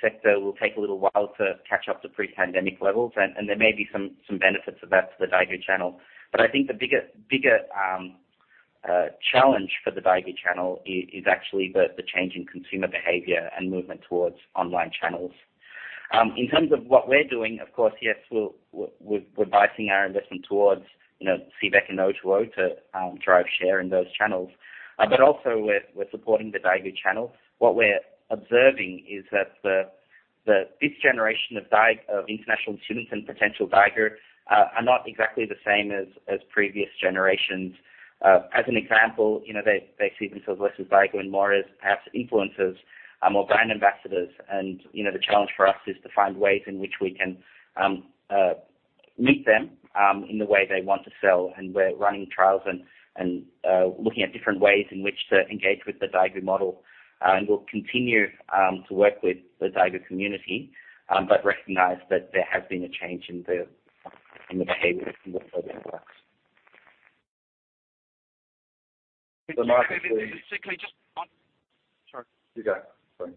Speaker 6: sector will take a little while to catch up to pre-pandemic levels, and there may be some, some benefits of that to the Daigou channel. I think the bigger, bigger challenge for the Daigou channel is actually the change in consumer behavior and movement towards online channels. In terms of what we're doing, of course, yes, we'll, we're, we're biasing our investment towards, you know, CBEC and O2O to drive share in those channels. Also we're, we're supporting the Daigou channel. What we're observing is that this generation of international students and potential Daigou are not exactly the same as previous generations. As an example, you know, they, they see themselves less as Daigou and more as perhaps influencers or brand ambassadors. You know, the challenge for us is to find ways in which we can meet them in the way they want to sell. We're running trials and looking at different ways in which to engage with the Daigou model. We'll continue to work with the Daigou community, but recognize that there has been a change in the, in the behavior and the way it works.
Speaker 3: The market is.
Speaker 10: Secondly, just one... Sorry.
Speaker 3: You go. Sorry.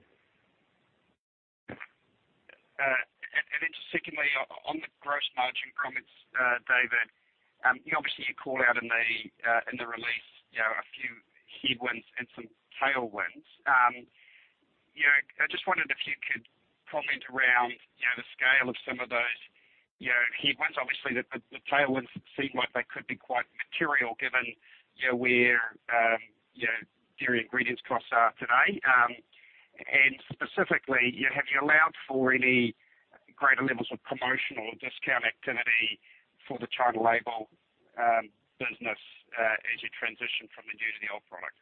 Speaker 10: Then secondly, on the gross margin promise, David, you obviously, you called out in the release, you know, a few headwinds and some tailwinds. You know, I just wondered if you could comment around, you know, the scale of some of those, you know, headwinds. Obviously, the tailwinds seem like they could be quite material given, you know, where, you know, dairy ingredients costs are today. Specifically, yeah, have you allowed for any greater levels of promotional or discount activity for the China label business as you transition from the new to the old product?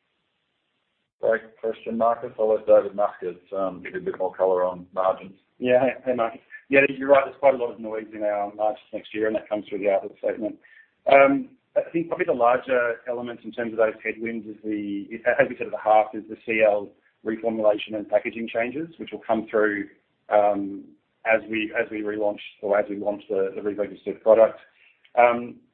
Speaker 3: Great question, Marcus. I'll let David Muscat, give you a bit more color on margins.
Speaker 4: Yeah. Hey, Marcus. Yeah, you're right. There's quite a lot of noise in our margins next year, and that comes through the outlook statement. I think probably the larger elements in terms of those headwinds is the, as we said at the half, is the CL reformulation and packaging changes, which will come through, as we, as we relaunch or as we launch the, the registered product.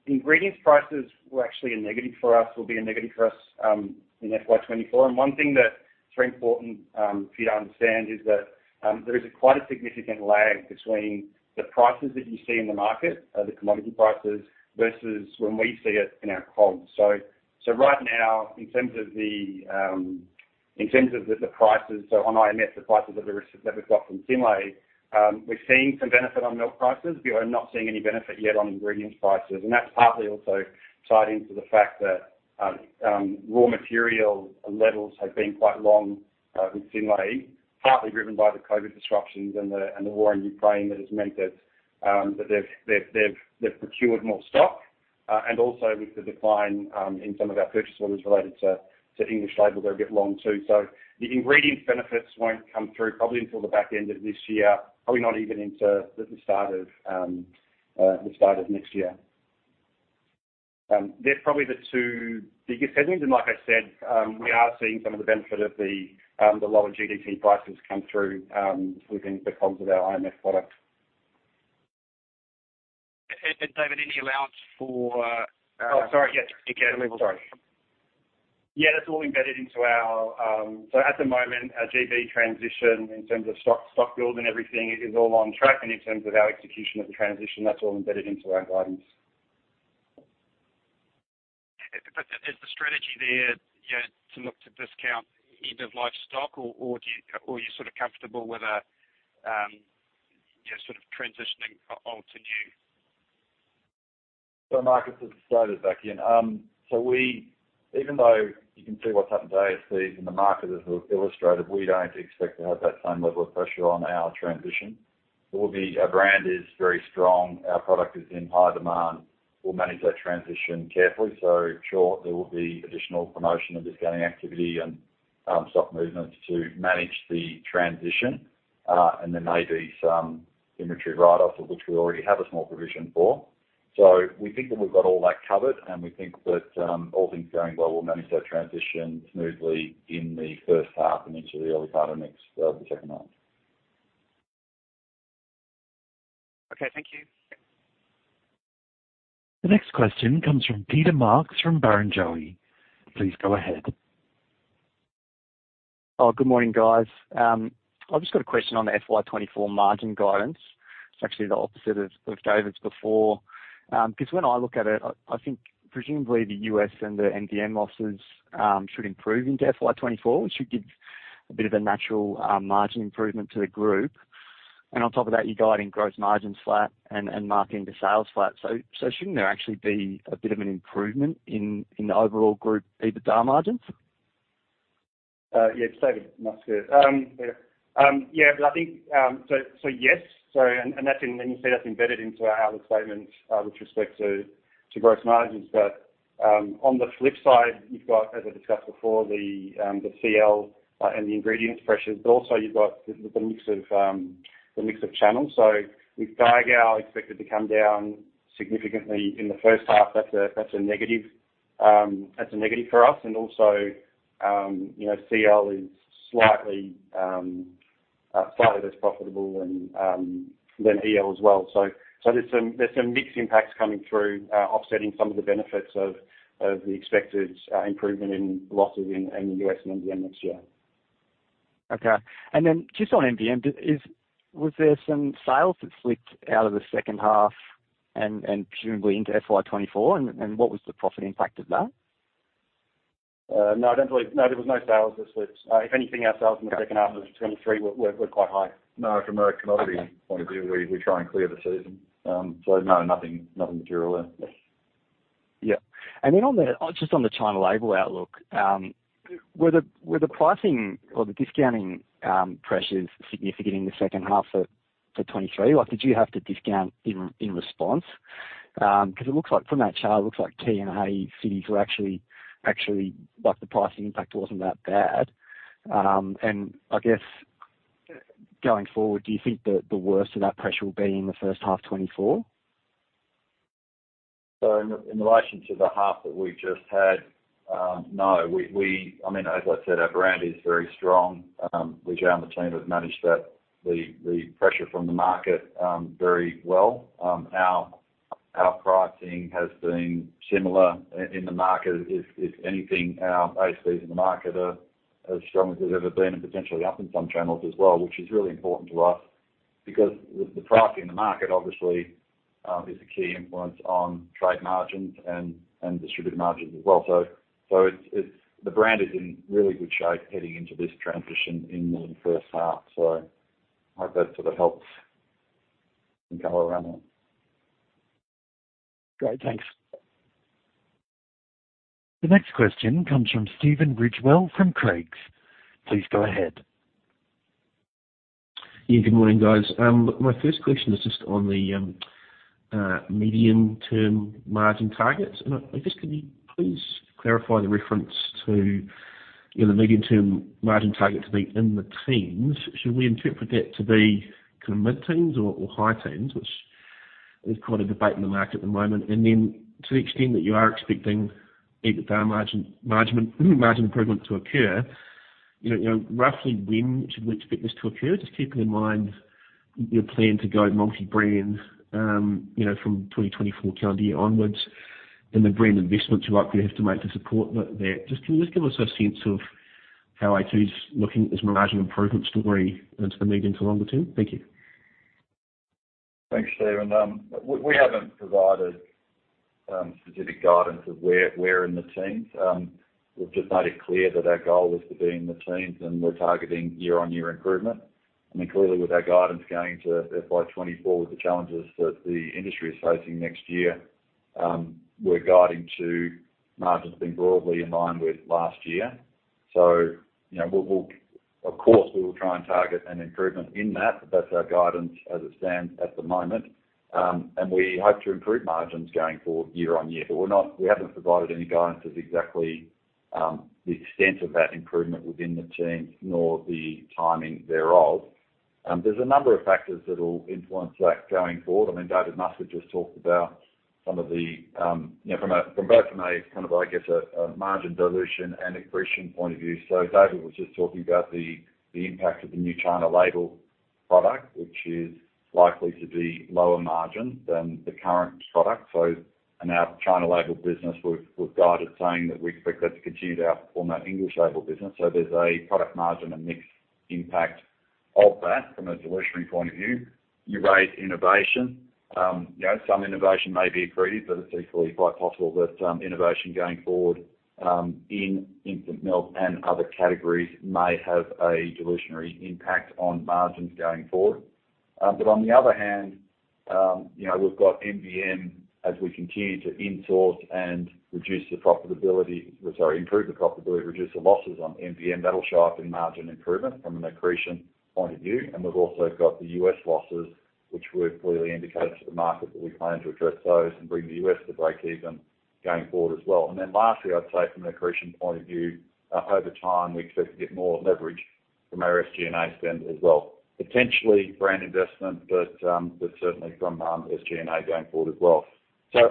Speaker 4: Ingredients prices were actually a negative for us, will be a negative for us, in FY 2024. One thing that's very important, for you to understand is that, there is quite a significant lag between the prices that you see in the market, the commodity prices, versus when we see it in our COGS. Right now, in terms of the, in terms of the, the prices, so on IMF, the prices that we're, that we've got from Synlait, we're seeing some benefit on milk prices. We are not seeing any benefit yet on ingredients prices, that's partly also tied into the fact that raw material levels have been quite long with Synlait, partly driven by the COVID disruptions and the war in Ukraine. That has meant that they've, they've, they've, they've procured more stock, and also with the decline in some of our purchase orders related to English label, they're a bit long, too. The ingredient benefits won't come through probably until the back end of this year, probably not even into the start of next year. They're probably the two biggest headings, and like I said, we are seeing some of the benefit of the lower GDT prices come through within the COGS of our IMF product.
Speaker 10: And David, any allowance for?
Speaker 4: Oh, sorry. Yeah, sorry. Yeah, that's all embedded into our. At the moment, our GB transition in terms of stock, stock build and everything is all on track. In terms of our execution of the transition, that's all embedded into our guidance.
Speaker 10: Is the strategy there, you know, to look to discount end-of-life stock, or, or do you, or are you sort of comfortable with a, you know, sort of transitioning old to new?
Speaker 3: Marcus, just David back in. Even though you can see what's happened to MNCs in the market, as we've illustrated, we don't expect to have that same level of pressure on our transition. Our brand is very strong, our product is in high demand. We'll manage that transition carefully. Sure, there will be additional promotion of discounting activity and stock movements to manage the transition. There may be some inventory write-offs, of which we already have a small provision for. We think that we've got all that covered, and we think that all things going well, we'll manage that transition smoothly in the first half and into the early part of next, the second half.
Speaker 10: Okay, thank you.
Speaker 1: The next question comes from Peter Marks, from Barrenjoey. Please go ahead.
Speaker 11: Good morning, guys. I've just got a question on the FY 2024 margin guidance. It's actually the opposite of David's before. 'Cause when I look at it, I, I think presumably the U.S. and the MVM losses should improve into FY 2024, which should give a bit of a natural margin improvement to the group. On top of that, you're guiding gross margin flat and marketing to sales flat. So shouldn't there actually be a bit of an improvement in, in the overall group EBITDA margins?
Speaker 4: Yeah, David Muscat. Yeah, but I think, so, so yes. So and that's in, and you see that's embedded into our outlook statement with respect to gross margins. But on the flip side, you've got, as I discussed before, the CBEC and the ingredients pressures, but also you've got the mix of the mix of channels. So with Daigou expected to come down significantly in the first half, that's a, that's a negative. That's a negative for us. And also, you know, CBEC is slightly slightly less profitable than DOL as well. So there's some, there's some mixed impacts coming through, offsetting some of the benefits of the expected improvement in losses in the U.S. and MVM next year.
Speaker 11: Okay. Then just on MVM, was there some sales that slipped out of the second half and presumably into FY 2024? What was the profit impact of that?
Speaker 4: No, I don't believe. No, there was no sales that slipped. If anything, our sales in the second half of 2023 were, were, were quite high.
Speaker 3: No, from a commodity point of view, we, we try and clear the season. No, nothing, nothing material there.
Speaker 11: Yeah. Then on the... Just on the China label outlook, were the, were the pricing or the discounting, pressures significant in the second half of 2023? Like, did you have to discount in, in response? Because it looks like from that chart, it looks like Key & A cities were actually, like, the pricing impact wasn't that bad. I guess, going forward, do you think the, the worst of that pressure will be in the first half 2024?
Speaker 3: In relation to the half that we've just had, no, we, I mean, as I said, our brand is very strong. Richard and the team have managed that, the pressure from the market, very well. Our pricing has been similar in the market. If anything, our ASPs in the market are as strong as they've ever been, and potentially up in some channels as well, which is really important to us because the pricing in the market obviously, is a key influence on trade margins and distributor margins as well. The brand is in really good shape heading into this transition in the first half. I hope that sort of helps and go around that.
Speaker 11: Great. Thanks.
Speaker 1: The next question comes from Stephen Ridgewell from Craigs. Please go ahead.
Speaker 12: Yeah, good morning, guys. My first question is just on the medium-term margin targets. I just, can you please clarify the reference to, you know, the medium-term margin target to be in the teens? Should we interpret that to be kind of mid-teens or, or high teens, which is quite a debate in the market at the moment. Then to the extent that you are expecting EBITDA margin improvement to occur, you know, roughly when should we expect this to occur? Just keeping in mind your plan to go multi-brand, you know, from 2024 calendar year onwards, and the brand investments you likely have to make to support that. Just give us a sense of how a2 is looking as a margin improvement story into the medium to longer term. Thank you.
Speaker 3: We haven't provided specific guidance of where, where in the teens. We've just made it clear that our goal is to be in the teens, and we're targeting year-on-year improvement. I mean, clearly, with our guidance going to FY 2024, with the challenges that the industry is facing next year, we're guiding to margins being broadly in line with last year. So, you know, we'll, we'll. Of course, we will try and target an improvement in that. That's our guidance as it stands at the moment. And we hope to improve margins going forward year-on-year. But we're not, we haven't provided any guidance as exactly the extent of that improvement within the teens, nor the timing thereof. There's a number of factors that will influence that going forward. I mean, David Muscat just talked about some of the, you know, from a, from both from a, kind of, I guess, a, a margin dilution and accretion point of view. David was just talking about the, the impact of the new China label product, which is likely to be lower margin than the current product. Our China label business, we've, we've guided, saying that we expect that to continue to outperform our English label business. There's a product margin and mix impact of that from a dilution point of view. You raise innovation. You know, some innovation may be accretive, but it's equally quite possible that innovation going forward, in instant milk and other categories may have a dilutionary impact on margins going forward. On the other hand, you know, we've got MVM as we continue to in-source and reduce the profitability- sorry, improve the profitability, reduce the losses on MVM. That'll show up in margin improvement from an accretion point of view. We've also got the U.S. losses, which we've clearly indicated to the market, that we plan to address those and bring the U.S. to breakeven going forward as well. Lastly, I'd say from an accretion point of view, over time, we expect to get more leverage from our SG&A spend as well. Potentially brand investment, but certainly from SG&A going forward as well.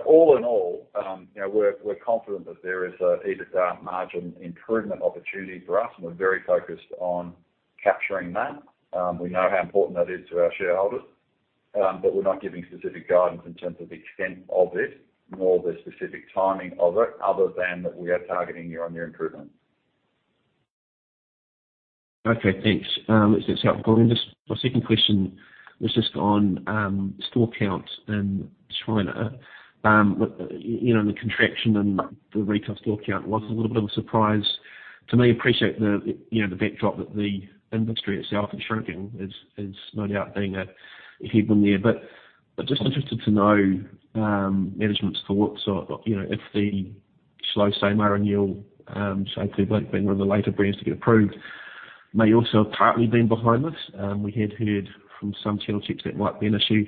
Speaker 3: All in all, you know, we're confident that there is a EBITDA margin improvement opportunity for us, and we're very focused on capturing that. We know how important that is to our shareholders, but we're not giving specific guidance in terms of the extent of it, nor the specific timing of it, other than that we are targeting year-on-year improvement.
Speaker 12: Okay, thanks. That's helpful. Just my second question was just on store count in China. You know, the contraction in the retail store count was a little bit of a surprise to me. I appreciate the, you know, the backdrop that the industry itself is shrinking is, is no doubt being a headwind there. Just interested to know management's thoughts on, you know, if the slow SAMR renewal, so clearly being one of the later brands to get approved, may also have partly been behind this. We had heard from some channel checks that might be an issue.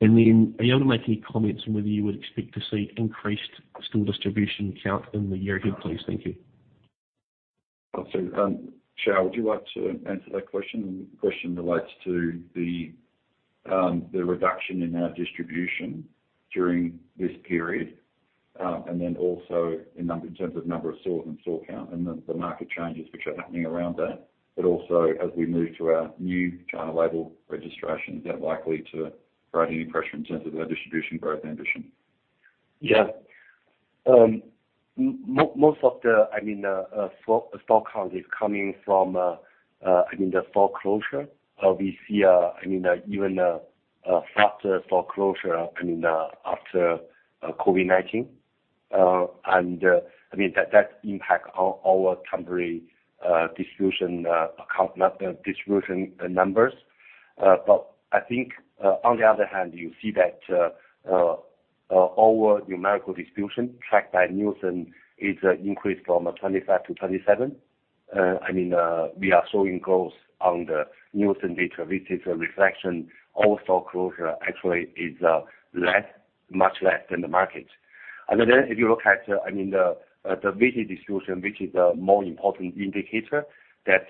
Speaker 12: Then are you able to make any comments on whether you would expect to see increased store distribution count in the year ahead, please? Thank you.
Speaker 3: I see. Xiao, would you like to answer that question? The question relates to the reduction in our distribution during this period, and then also in terms of number of stores and store count, and then the market changes which are happening around that. Also as we move to our new China label registrations, is that likely to provide any pressure in terms of our distribution growth ambition?
Speaker 5: Yeah. Most of the, I mean, store, store count is coming from, I mean, the store closure. We see, I mean, even a faster store closure, I mean, after COVID-19. And, I mean, that, that impact our, our temporary distribution account, not the distribution numbers. But I think, on the other hand, you see that our numerical distribution tracked by Nielsen is increased from 25 to 27. I mean, we are showing growth on the Nielsen data. This is a reflection. Our store closure actually is less, much less than the market. Then if you look at, I mean, the, the visit distribution, which is a more important indicator, that,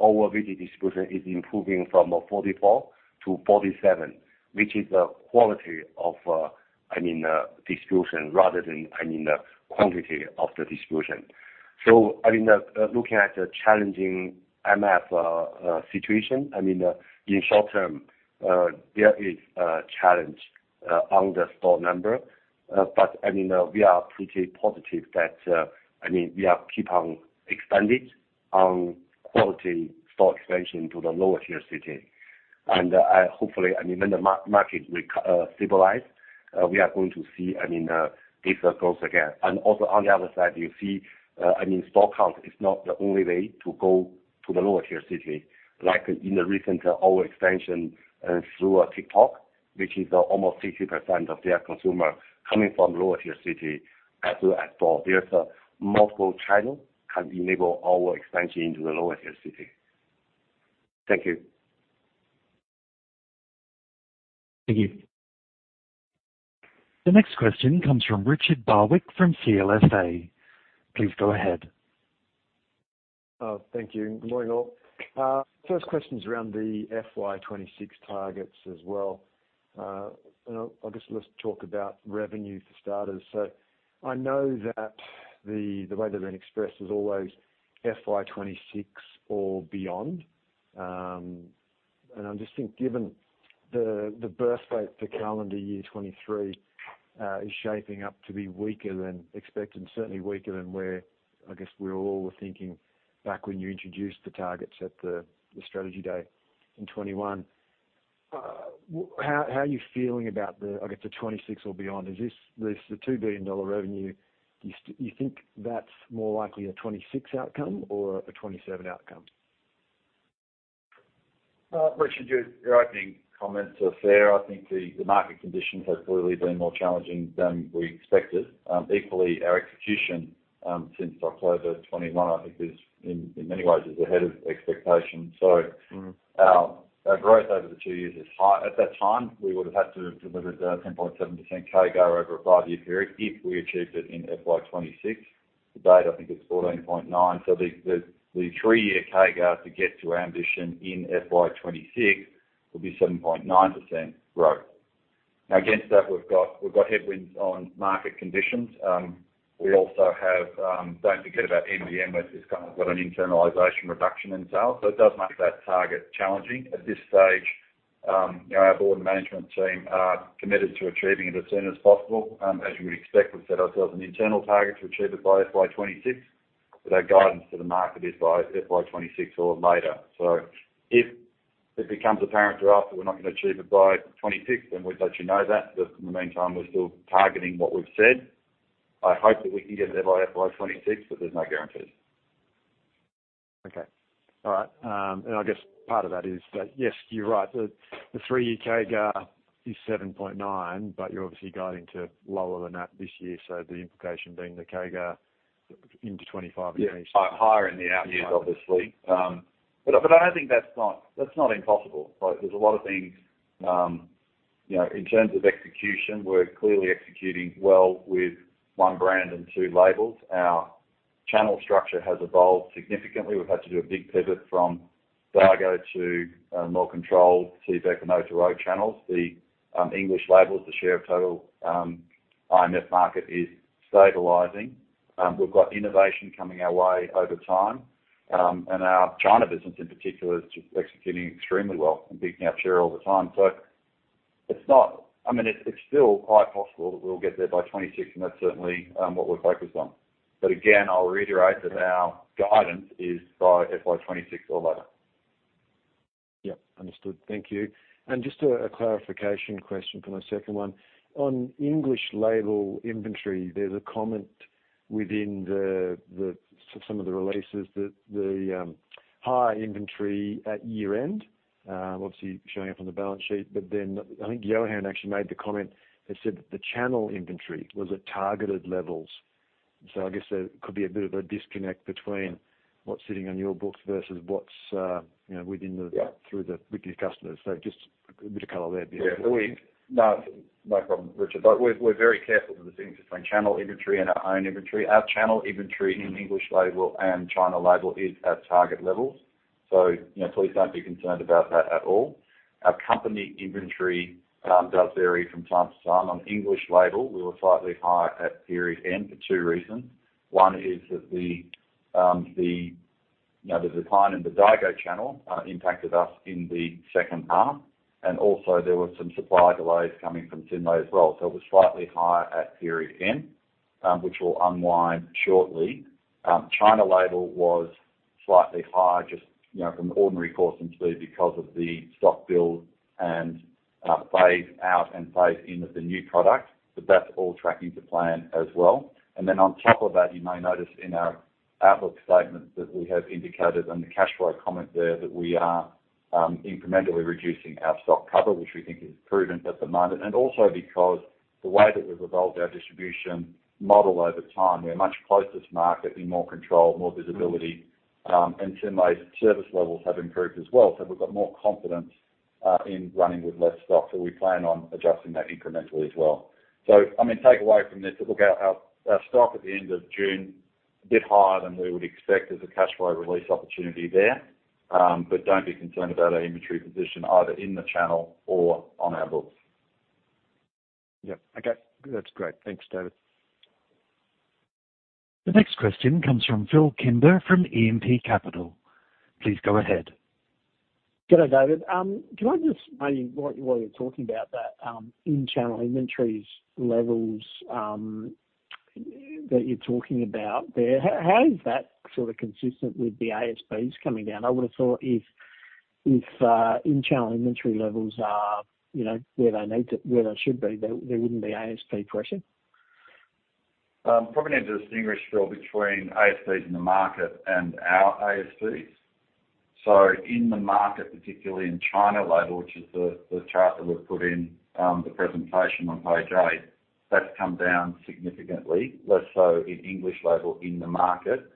Speaker 5: our visit distribution is improving from 44 to 47, which is the quality of, I mean, distribution rather than, I mean, the quantity of the distribution. I mean, looking at the challenging IMF situation, I mean, in short term, there is a challenge on the store number. But I mean, we are pretty positive that, I mean, we are keep on expanding on quality store expansion to the lower-tier city. Hopefully, I mean, when the market stabilize, we are going to see, I mean, this growth again. Also on the other side, you see, I mean, store count is not the only way to go to the lower-tier city. Like in the recent, our expansion, through TikTok, which is almost 60% of their consumer coming from lower-tier city, as well as store. There's multiple channel has enabled our expansion into the lower-tier city. Thank you.
Speaker 1: Thank you. The next question comes from Richard Barwick, from CLSA. Please go ahead.
Speaker 13: Thank you. Good morning, all. First question is around the FY 2026 targets as well. You know, I guess let's talk about revenue for starters. I know that the, the way they've been expressed is always FY 2026 or beyond. And I just think given the, the birth rate for calendar year 2023, is shaping up to be weaker than expected, and certainly weaker than where I guess we all were thinking back when you introduced the targets at the, the strategy day in 2021. How, how are you feeling about the, I guess, the 2026 or beyond? Is this- this, the 2 billion dollar revenue, you st- you think that's more likely a 2026 outcome or a 2027 outcome?
Speaker 3: Richard, your, your opening comments are fair. I think the, the market conditions have clearly been more challenging than we expected. Equally, our execution since October of 21, I think, is in, in many ways is ahead of expectation.
Speaker 13: Mm.
Speaker 3: Our growth over the two years is high. At that time, we would have had to have delivered a 10.7% CAGR over a five-year period if we achieved it in FY 2026. To date, I think it's 14.9. The three-year CAGR to get to ambition in FY 2026 will be 7.9% growth. Against that, we've got headwinds on market conditions. We also have... Don't forget about MVM, which has kind of got an internalization reduction in sales, so it does make that target challenging. At this stage, you know, our board and management team are committed to achieving it as soon as possible. As you would expect, we've set ourselves an internal target to achieve it by FY 2026, but our guidance to the market is by FY 2026 or later. If it becomes apparent to us that we're not gonna achieve it by 2026, then we'd let you know that. In the meantime, we're still targeting what we've said. I hope that we can get there by FY 2026, but there's no guarantees.
Speaker 13: Okay. All right, I guess part of that is that, yes, you're right. The three-year CAGR is 7.9, but you're obviously guiding to lower than that this year, so the implication being the CAGR into 25 increase.
Speaker 3: Yeah, higher in the outcome, obviously. But, I don't think that's not, that's not impossible. Like, there's a lot of things, you know, in terms of execution, we're clearly executing well with one brand and two labels. Our channel structure has evolved significantly. We've had to do a big pivot from Daigou to more controlled CBEC and O2O channels. The English labels, the share of total IMF market is stabilizing. We've got innovation coming our way over time. Our China business, in particular, is just executing extremely well and beating our share all the time. It's not... I mean, it's, it's still quite possible that we'll get there by 2026, and that's certainly what we're focused on. Again, I'll reiterate that our guidance is by FY 2026 or later.
Speaker 13: Yeah, understood. Thank you. Just a clarification question for my second one. On English label inventory, there's a comment within some of the releases that the high inventory at year-end obviously showing up on the balance sheet. Then I think Yohan actually made the comment that said that the channel inventory was at targeted levels. I guess there could be a bit of a disconnect between what's sitting on your books versus what's, you know, within the.
Speaker 3: Yeah
Speaker 13: through the, with your customers. Just a bit of color there, please.
Speaker 3: No, no problem, Richard. We're, we're very careful of the difference between channel inventory and our own inventory. Our channel inventory in English label and China label is at target levels. You know, please don't be concerned about that at all. Our company inventory does vary from time to time. On English label, we were slightly higher at period end for two reasons. One is that the decline in the Daigou channel impacted us in the second half, and also there were some supply delays coming from Synlait as well. So it was slightly higher at period end, which will unwind shortly. China label was slightly higher, just, you know, from ordinary course into because of the stock build and phase out and phase in of the new product, but that's all tracking to plan as well. On top of that, you may notice in our outlook statement that we have indicated, and the cash flow comment there, that we are incrementally reducing our stock cover, which we think is prudent at the moment, and also because the way that we've evolved our distribution model over time, we're much closer to market, in more control, more visibility, and Synlait's service levels have improved as well. We've got more confidence in running with less stock, so we plan on adjusting that incrementally as well. I mean, take away from this, look at our, our stock at the end of June, a bit higher than we would expect as a cash flow release opportunity there. Don't be concerned about our inventory position, either in the channel or on our books.
Speaker 13: Yep. Okay, that's great. Thanks, David.
Speaker 1: The next question comes from Phillip Kimber, from E&P Capital. Please go ahead.
Speaker 14: G'day, David. Can I just maybe, while, while you're talking about that, in-channel inventories levels, that you're talking about there, how is that sort of consistent with the ASPs coming down? I would have thought if, if, in-channel inventory levels are, you know, where they need to-- where they should be, there, there wouldn't be ASP pressure.
Speaker 3: Probably need to distinguish, Phil, between ASPs in the market and our ASPs. In the market, particularly in China label, which is the, the chart that we've put in, the presentation on page eight, that's come down significantly, less so in English label in the market,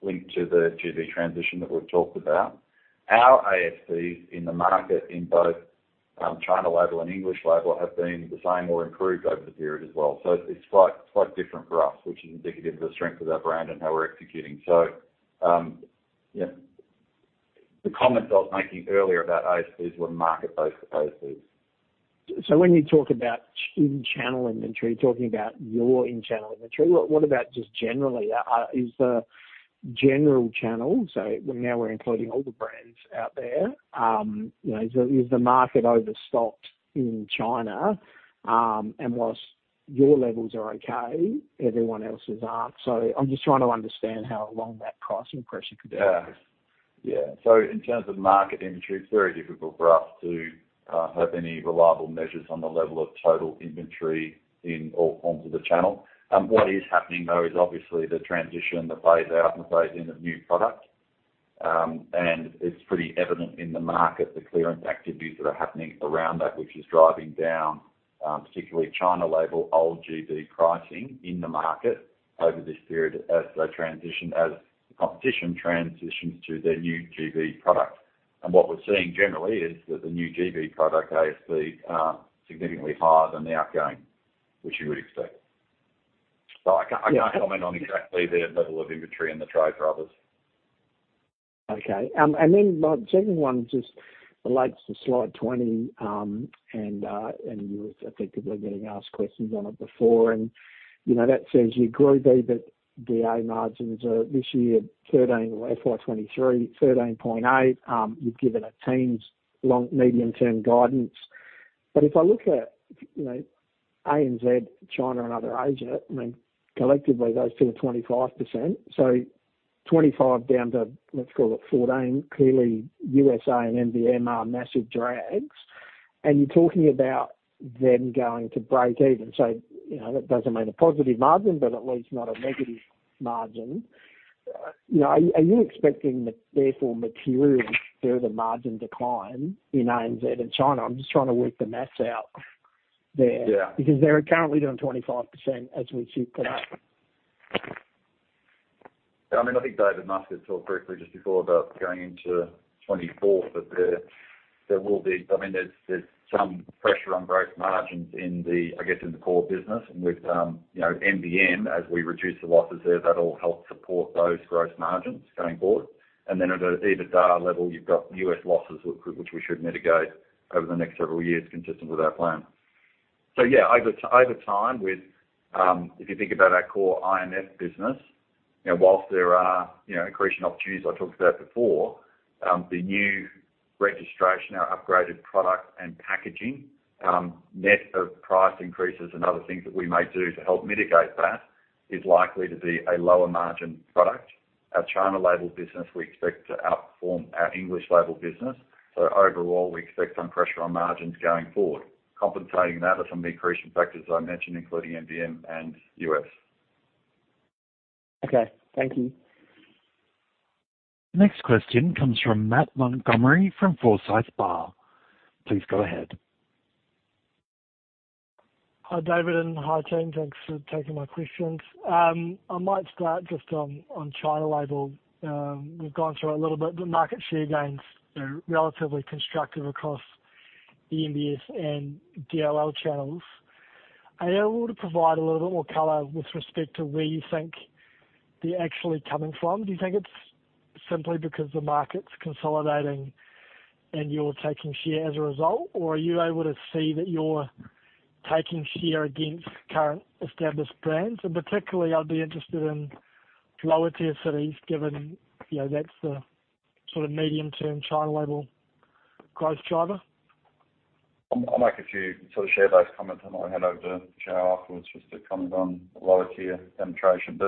Speaker 3: linked to the GB transition that we've talked about. Our ASPs in the market, in both, China label and English label, have been the same or improved over the period as well. It's slight, slightly different for us, which is indicative of the strength of our brand and how we're executing. Yeah. The comments I was making earlier about ASPs were market-based ASPs.
Speaker 14: When you talk about in-channel inventory, talking about your in-channel inventory, what about just generally? Is the general channel, so well now we're including all the brands out there, you know, is the, is the market overstocked in China? And whilst your levels are okay, everyone else's aren't. I'm just trying to understand how long that pricing pressure could be?
Speaker 3: Yeah. Yeah. In terms of market inventory, it's very difficult for us to have any reliable measures on the level of total inventory in all forms of the channel. What is happening, though, is obviously the transition, the phase out and phase in of new product. It's pretty evident in the market, the clearance activities that are happening around that, which is driving down, particularly China label, old GB pricing in the market over this period as the competition transitions to their new GB product. What we're seeing generally is that the new GB product ASP, significantly higher than the outgoing, which you would expect. I can't, I can't comment on exactly their level of inventory in the trade for others.
Speaker 14: Okay, then my second one just relates to slide 20, and you were effectively getting asked questions on it before. You know, that says you grew EBITDA margins are this year, 13, or FY 2023, 13.8. You've given a team's long medium-term guidance. If I look at, you know, ANZ, China, and other Asia, I mean, collectively, those two are 25%. 25 down to, let's call it 14. Clearly, USA and NBM are massive drags, and you're talking about them going to break even. You know, that doesn't mean a positive margin, but at least not a negative margin. You know, are you, are you expecting the therefore material further margin decline in ANZ and China? I'm just trying to work the maths out there.
Speaker 3: Yeah.
Speaker 14: because they're currently down 25% as we sit today.
Speaker 3: I mean, I think David Muscat talked briefly just before about going into 2024, but there will be... I mean, there's some pressure on gross margins in the, I guess, in the core business. With, you know, NBM, as we reduce the losses there, that will help support those gross margins going forward. Then at an EBITDA level, you've got U.S. losses, which we should mitigate over the next several years, consistent with our plan. Yeah, over time, with, if you think about our core IMF business, you know, whilst there are, you know, accretion opportunities I talked about before, the new registration, our upgraded product and packaging, net of price increases and other things that we may do to help mitigate that, is likely to be a lower margin product. Our China label business, we expect to outperform our English label business. Overall, we expect some pressure on margins going forward. Compensating that are some of the accretion factors I mentioned, including NBM and U.S..
Speaker 14: Okay, thank you.
Speaker 1: Next question comes from Matt Montgomerie, from Forsyth Barr. Please go ahead.
Speaker 15: Hi, David, hi, team. Thanks for taking my questions. I might start just on China label. We've gone through a little bit, the market share gains are relatively constructive across the MBS and DLL channels. Are you able to provide a little bit more color with respect to where you think they're actually coming from? Do you think it's simply because the market's consolidating, and you're taking share as a result? Are you able to see that you're taking share against current established brands? Particularly, I'd be interested in lower-tier cities, given, you know, that's the sort of medium-term China label growth driver.
Speaker 3: I'd like if you sort of share those comments, and I'll hand over to Xiao afterwards, just to comment on the lower tier penetration.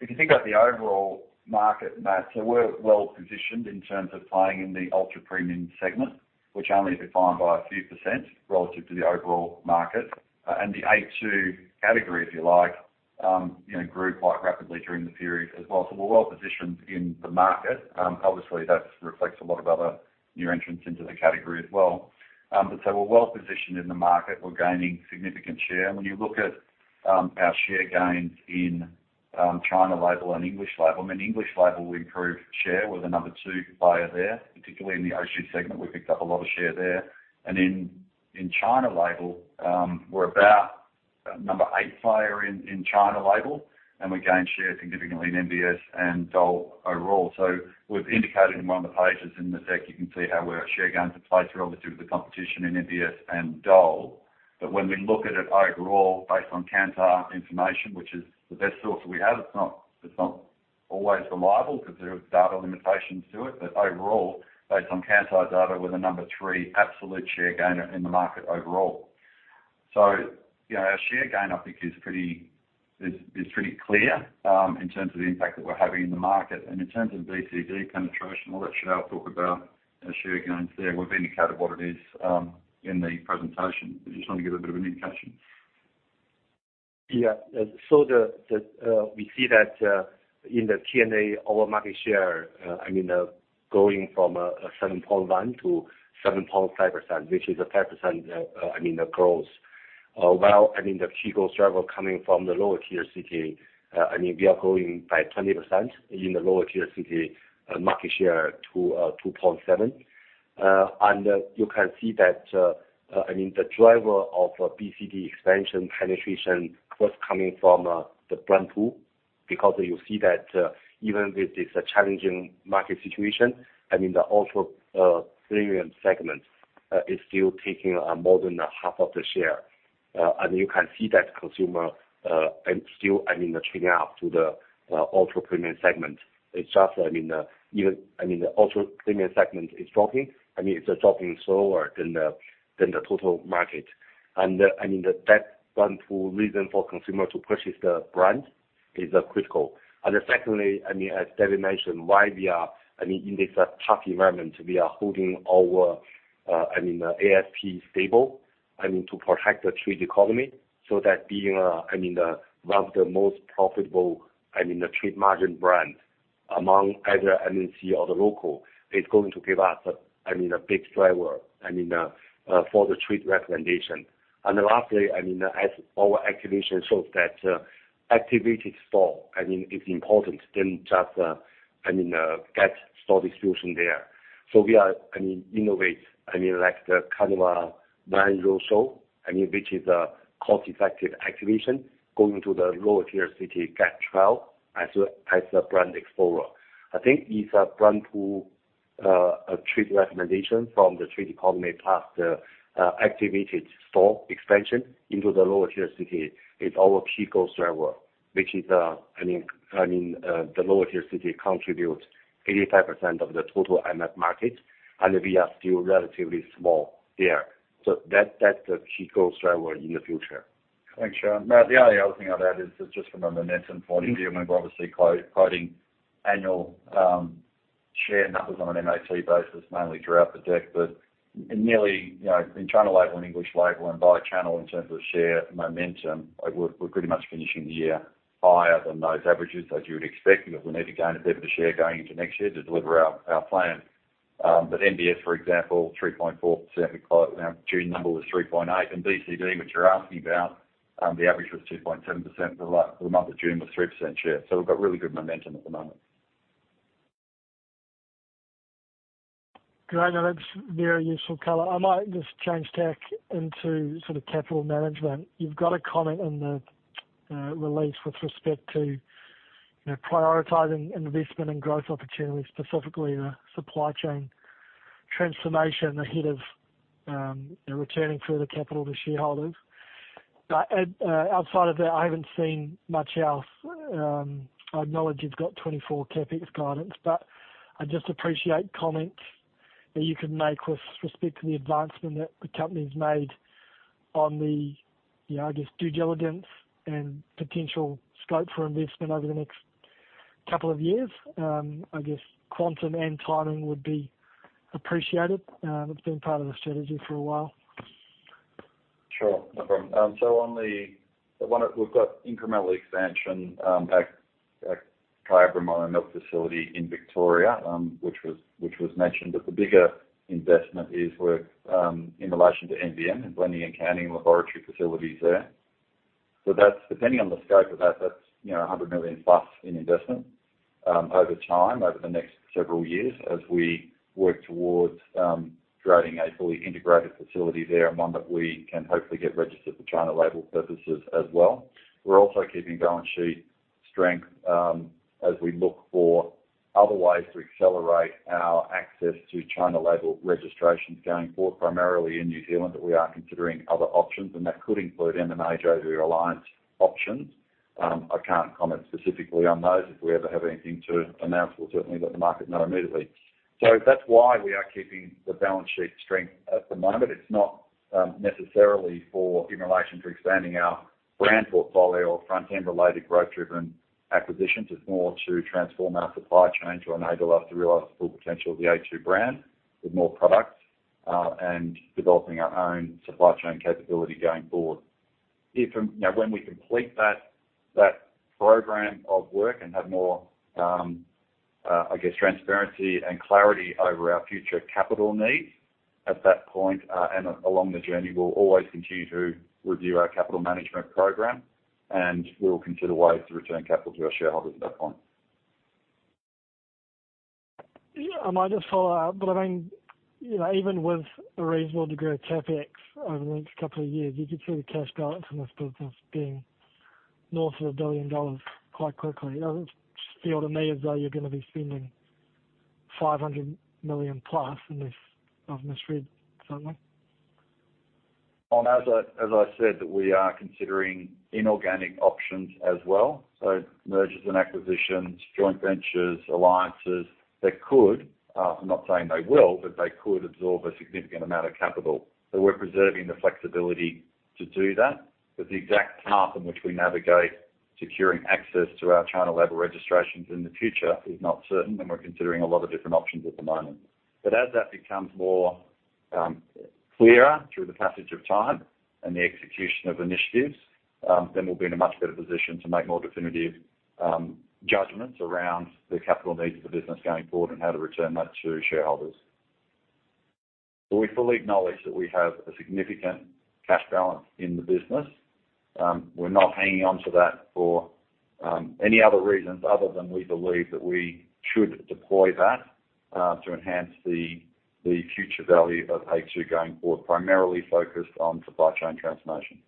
Speaker 3: If you think about the overall market, Matt, we're well-positioned in terms of playing in the ultra-premium segment, which only is defined by a few percent relative to the overall market. The A2 category, if you like, you know, grew quite rapidly during the period as well. We're well positioned in the market. Obviously, that reflects a lot of other new entrants into the category as well. We're well positioned in the market. We're gaining significant share. When you look at our share gains in China label and English label, I mean, English label, we improved share. We're the number two player there, particularly in the Australian segment, we picked up a lot of share there. In, in China label, we're about number eight player in, in China label, and we gained share significantly in MBS and DOL overall. We've indicated in one of the pages in the deck, you can see how we're share gains in place relative to the competition in MBS and DOL. When we look at it overall, based on Kantar information, which is the best source we have, it's not, it's not always reliable because there are data limitations to it. Overall, based on Kantar data, we're the number three absolute share gainer in the market overall. You know, our share gain, I think, is pretty... Is pretty clear, in terms of the impact that we're having in the market. In terms of BCD penetration and all that, Xiao will talk about our share gains there. We've indicated what it is in the presentation. I just want to give a bit of an indication.
Speaker 5: Yeah. So the, the, we see that, in the QNA, our market share, I mean, going from 7.1 to 7.5%, which is a 5%, I mean, the growth. Well, I mean, the key growth driver coming from the lower-tier city, I mean, we are growing by 20% in the lower-tier city, market share to 2.7. You can see that, I mean, the driver of BCD expansion penetration was coming from the brand two, because you see that, even with this challenging market situation, I mean, the ultra premium segment is still taking more than half of the share. You can see that consumer, and still, I mean, the trading out to the ultra-premium segment. The ultra-premium segment is dropping. It's dropping slower than the total market. That's one two reason for consumer to purchase the brand is critical. Secondly, as David mentioned, why we are in this tough environment, we are holding our ASP stable to protect the trade economy. That being one of the most profitable trade margin brand among either MNC or the local, is going to give us a big driver for the trade recommendation. Lastly, as our activation shows that activated store is important than get store distribution there. We are, I mean, innovate, I mean, like, the kind of a nine-year-old show, I mean, which is a cost-effective activation, going to the lower-tier city, get trial as a brand explorer. I think it's a brand two, a trade recommendation from the trade economy, plus the activated store expansion into the lower-tier city is our key growth driver, which is, I mean, I mean, the lower-tier city contributes 85% of the total MF market, and we are still relatively small there. That, that's the key growth driver in the future.
Speaker 3: Thanks, Xiao. Matt, the only other thing I'll add is just from a momentum point of view. We're obviously quoting annual share numbers on an MAT basis, mainly throughout the deck. In nearly, you know, in China label and English label and by a channel in terms of share momentum, we're, we're pretty much finishing the year higher than those averages, as you would expect, because we need to gain a bit of a share going into next year to deliver our, our plan. MBS, for example, 3.4%, our June number was 3.8. BCD, which you're asking about, the average was 2.7%, for the month of June was 3% share. We've got really good momentum at the moment.
Speaker 15: Great. Now, that's very useful color. I might just change tack into sort of capital management. You've got a comment in the release with respect to, you know, prioritizing investment and growth opportunities, specifically the supply chain transformation ahead of returning further capital to shareholders. Outside of that, I haven't seen much else. I acknowledge you've got 2024 CapEx guidance, but I'd just appreciate comments that you could make with respect to the advancement that the company's made on the, you know, I guess, due diligence and potential scope for investment over the next couple of years. I guess quantum and timing would be appreciated. It's been part of the strategy for a while.
Speaker 3: Sure. No problem. One of we've got incremental expansion at Kyabram milk facility in Victoria, which was mentioned, but the bigger investment is with in relation to NBM in blending and canning laboratory facilities there. That's, depending on the scope of that, that's, you know, 100 million-plus in investment over time, over the next several years as we work towards creating a fully integrated facility there, and one that we can hopefully get registered for China label purposes as well. We're also keeping balance sheet strength as we look for other ways to accelerate our access to China label registrations going forward, primarily in New Zealand, but we are considering other options, and that could include M&A, JV, alliance options. I can't comment specifically on those. If we ever have anything to announce, we'll certainly let the market know immediately. That's why we are keeping the balance sheet strength at the moment. It's not necessarily for in relation to expanding our brand portfolio or front-end related growth-driven acquisitions. It's more to transform our supply chain to enable us to realize the full potential of the a2 brand with more products and developing our own supply chain capability going forward. And, now, when we complete that, that program of work and have more, I guess, transparency and clarity over our future capital needs at that point, along the journey, we'll always continue to review our capital management program, and we'll consider ways to return capital to our shareholders at that point.
Speaker 15: Yeah, I might just follow up, but I mean, you know, even with a reasonable degree of CapEx over the next couple of years, you could see the cash balance in this business being north of 1 billion dollars quite quickly. Does it just feel to me as though you're gonna be spending 500 million plus unless I've misread, certainly?
Speaker 3: Well, as I said, that we are considering inorganic options as well, so mergers and acquisitions, joint ventures, alliances, that could, I'm not saying they will, but they could absorb a significant amount of capital. We're preserving the flexibility to do that. The exact path in which we navigate securing access to our China label registrations in the future is not certain, and we're considering a lot of different options at the moment. As that becomes more clearer through the passage of time and the execution of initiatives, then we'll be in a much better position to make more definitive judgments around the capital needs of the business going forward and how to return that to shareholders. We fully acknowledge that we have a significant cash balance in the business. We're not hanging on to that for any other reasons other than we believe that we should deploy that to enhance the, the future value of A2 going forward, primarily focused on supply chain transformation.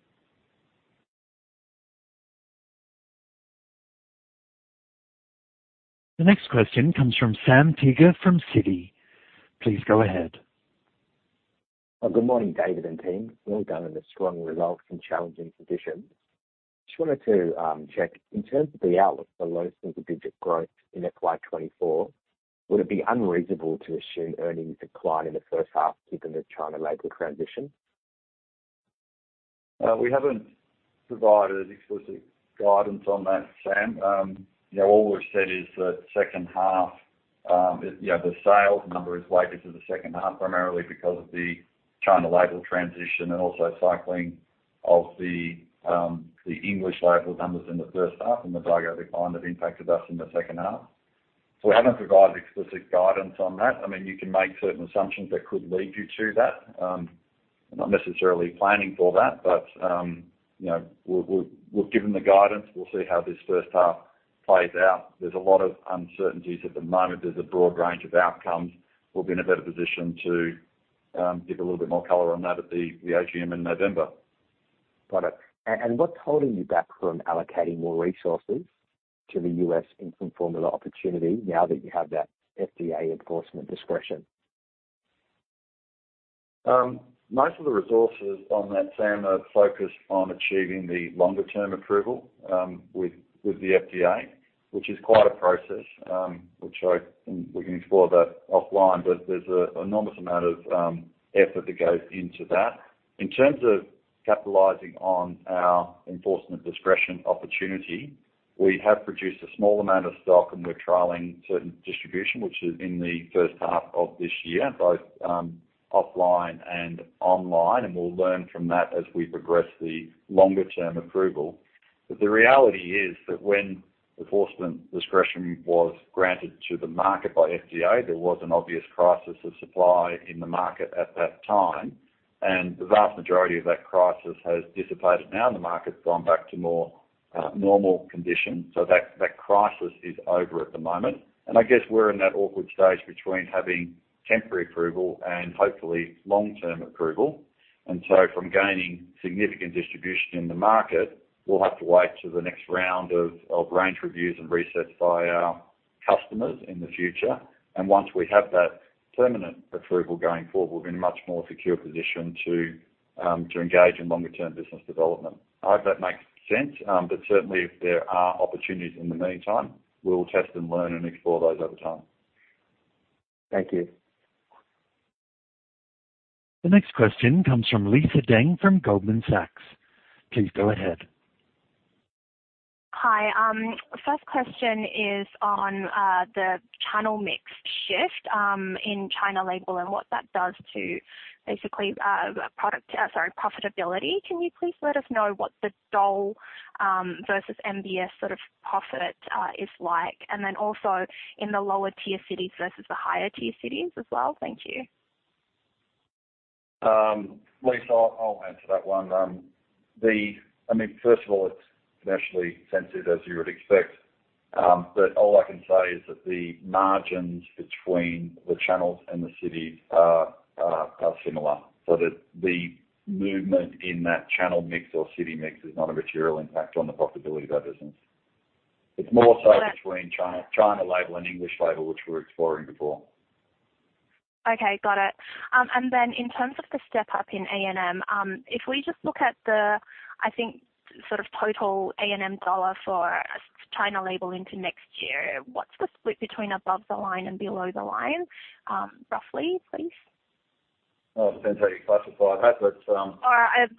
Speaker 1: The next question comes from Sam Teeger from Citi. Please go ahead.
Speaker 16: Well, good morning, David and team. Well done on the strong results in challenging conditions. Just wanted to check, in terms of the outlook for low single-digit growth in FY 2024, would it be unreasonable to assume earnings decline in the first half given the China label transition?
Speaker 3: We haven't provided explicit guidance on that, Sam. You know, all we've said is that second half, you know, the sales number is later to the second half, primarily because of the China label transition and also cycling of the, the English label numbers in the first half and the geographic kind that impacted us in the second half. We haven't provided explicit guidance on that. I mean, you can make certain assumptions that could lead you to that. Not necessarily planning for that, but, you know, we'll, we'll, we've given the guidance, we'll see how this first half plays out. There's a lot of uncertainties at the moment. There's a broad range of outcomes. We'll be in a better position to give a little bit more color on that at the, the AGM in November.
Speaker 16: Got it. What's holding you back from allocating more resources to the U.S. infant formula opportunity now that you have that FDA enforcement discretion?
Speaker 3: Most of the resources on that, Sam, are focused on achieving the longer term approval, with, with the FDA, which is quite a process, which we can explore that offline, but there's a enormous amount of effort that goes into that. In terms of capitalizing on our enforcement discretion opportunity, we have produced a small amount of stock, and we're trialing certain distribution, which is in the first half of this year, both offline and online, and we'll learn from that as we progress the longer term approval. The reality is that when enforcement discretion was granted to the market by FDA, there was an obvious crisis of supply in the market at that time, and the vast majority of that crisis has dissipated. Now, the market's gone back to more normal conditions, so that, that crisis is over at the moment. I guess we're in that awkward stage between having temporary approval and hopefully long-term approval. So from gaining significant distribution in the market, we'll have to wait till the next round of, of range reviews and resets by our customers in the future. Once we have that permanent approval going forward, we'll be in a much more secure position to engage in longer-term business development. I hope that makes sense, but certainly if there are opportunities in the meantime, we'll test and learn and explore those over time.
Speaker 16: Thank you.
Speaker 1: The next question comes from Lisa Deng, from Goldman Sachs. Please go ahead.
Speaker 17: Hi. First question is on the channel mix shift in China label and what that does to basically product, sorry, profitability. Can you please let us know what the DOL versus MBS sort of profit is like? And then also in the lower-tier cities versus the higher-tier cities as well. Thank you.
Speaker 3: Lisa, I'll, I'll answer that one. I mean, first of all, it's naturally sensitive, as you would expect. All I can say is that the margins between the channels and the cities are, are, are similar, so that the movement in that channel mix or city mix is not a material impact on the profitability of our business. It's more so between China, China label and English label, which we're exploring before.
Speaker 17: Okay, got it. In terms of the step-up in A&M, if we just look at the, I think, sort of total A&M dollar for China label into next year, what's the split between above the line and below the line, roughly, please?
Speaker 3: Well, it depends how you classify that, but.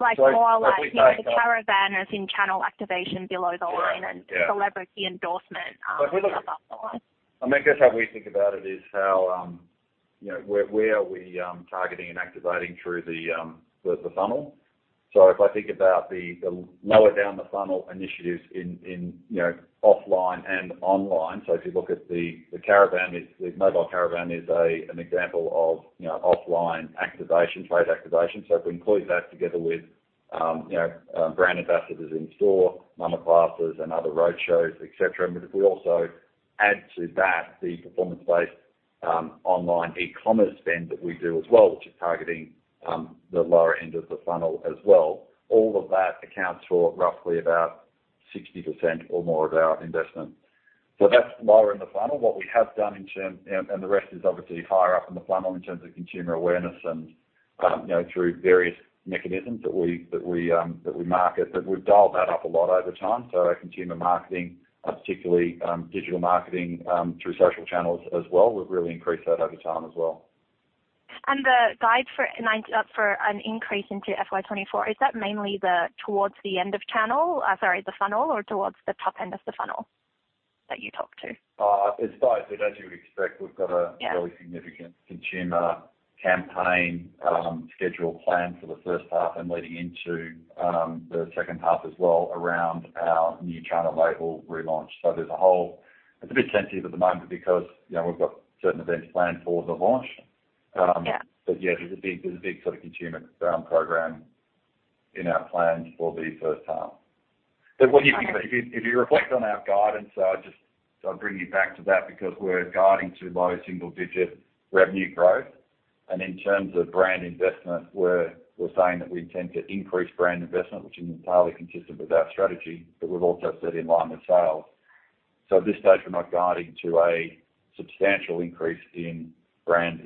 Speaker 17: Like, more like, you know, the caravan is in channel activation below the line.
Speaker 3: Right. Yeah.
Speaker 17: and celebrity endorsement, above the line.
Speaker 3: I mean, I guess how we think about it is how, you know, where, where are we targeting and activating through the, the funnel. If I think about the, the lower down the funnel initiatives in, in, you know, offline and online. If you look at the, the mobile caravan is an example of, you know, offline activation, trade activation. If we include that together with, you know, brand ambassadors in store, mama classes and other road shows, et cetera. If we also add to that, the performance-based online e-commerce spend that we do as well, which is targeting the lower end of the funnel as well, all of that accounts for roughly about 60% or more of our investment. That's lower in the funnel. What we have done, the rest is obviously higher up in the funnel in terms of consumer awareness and, you know, through various mechanisms that we, that we, that we market, but we've dialed that up a lot over time. Our consumer marketing, particularly, digital marketing, through social channels as well, we've really increased that over time as well.
Speaker 17: The guide for an increase into FY 2024, is that mainly the towards the end of channel, sorry, the funnel or towards the top end of the funnel that you talked to?
Speaker 3: It's both, but as you would expect, we've got a-
Speaker 17: Yeah...
Speaker 3: really significant consumer campaign, schedule planned for the first half and leading into, the second half as well around our new China label relaunch. There's a whole... It's a bit sensitive at the moment because, you know, we've got certain events planned for the launch.
Speaker 17: Yeah.
Speaker 3: Yeah, there's a big, there's a big sort of consumer program in our plans for the first half. When you think, if you, if you reflect on our guidance, I just, I'll bring you back to that because we're guiding to low single digit revenue growth. In terms of brand investment, we're saying that we intend to increase brand investment, which is entirely consistent with our strategy, but we've also said in line with sales. At this stage, we're not guiding to a substantial increase in brand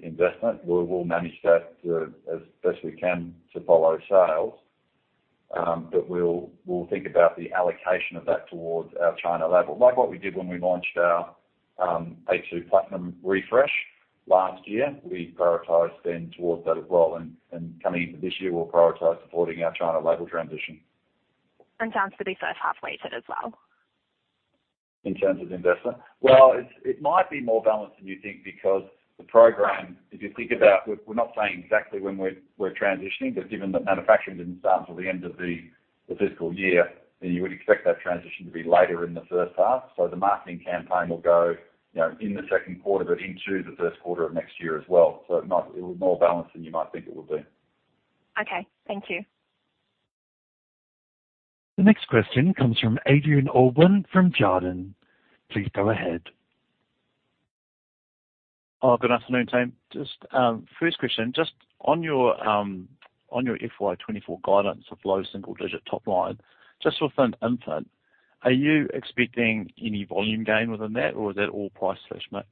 Speaker 3: investment. We, we'll manage that as best we can to follow sales. We'll, we'll think about the allocation of that towards our China label, like what we did when we launched our a2 Platinum refresh last year. We prioritized spend towards that as well, and coming into this year, we'll prioritize supporting our China label transition.
Speaker 17: Sounds for the first half weighted as well?
Speaker 3: In terms of investment? Well, it's, it might be more balanced than you think, because the program, if you think about it, we're not saying exactly when we're, we're transitioning, but given that manufacturing didn't start until the end of the, the fiscal year, then you would expect that transition to be later in the first half. The marketing campaign will go, you know, in the second quarter, but into the first quarter of next year as well. It might be more balanced than you might think it will be.
Speaker 17: Okay. Thank you.
Speaker 1: The next question comes from Adrian Allbon from Jarden. Please go ahead.
Speaker 18: Good afternoon, team. Just, first question, just on your, on your FY 2024 guidance of low single-digit top line, just within Infant, are you expecting any volume gain within that or is that all price/mix?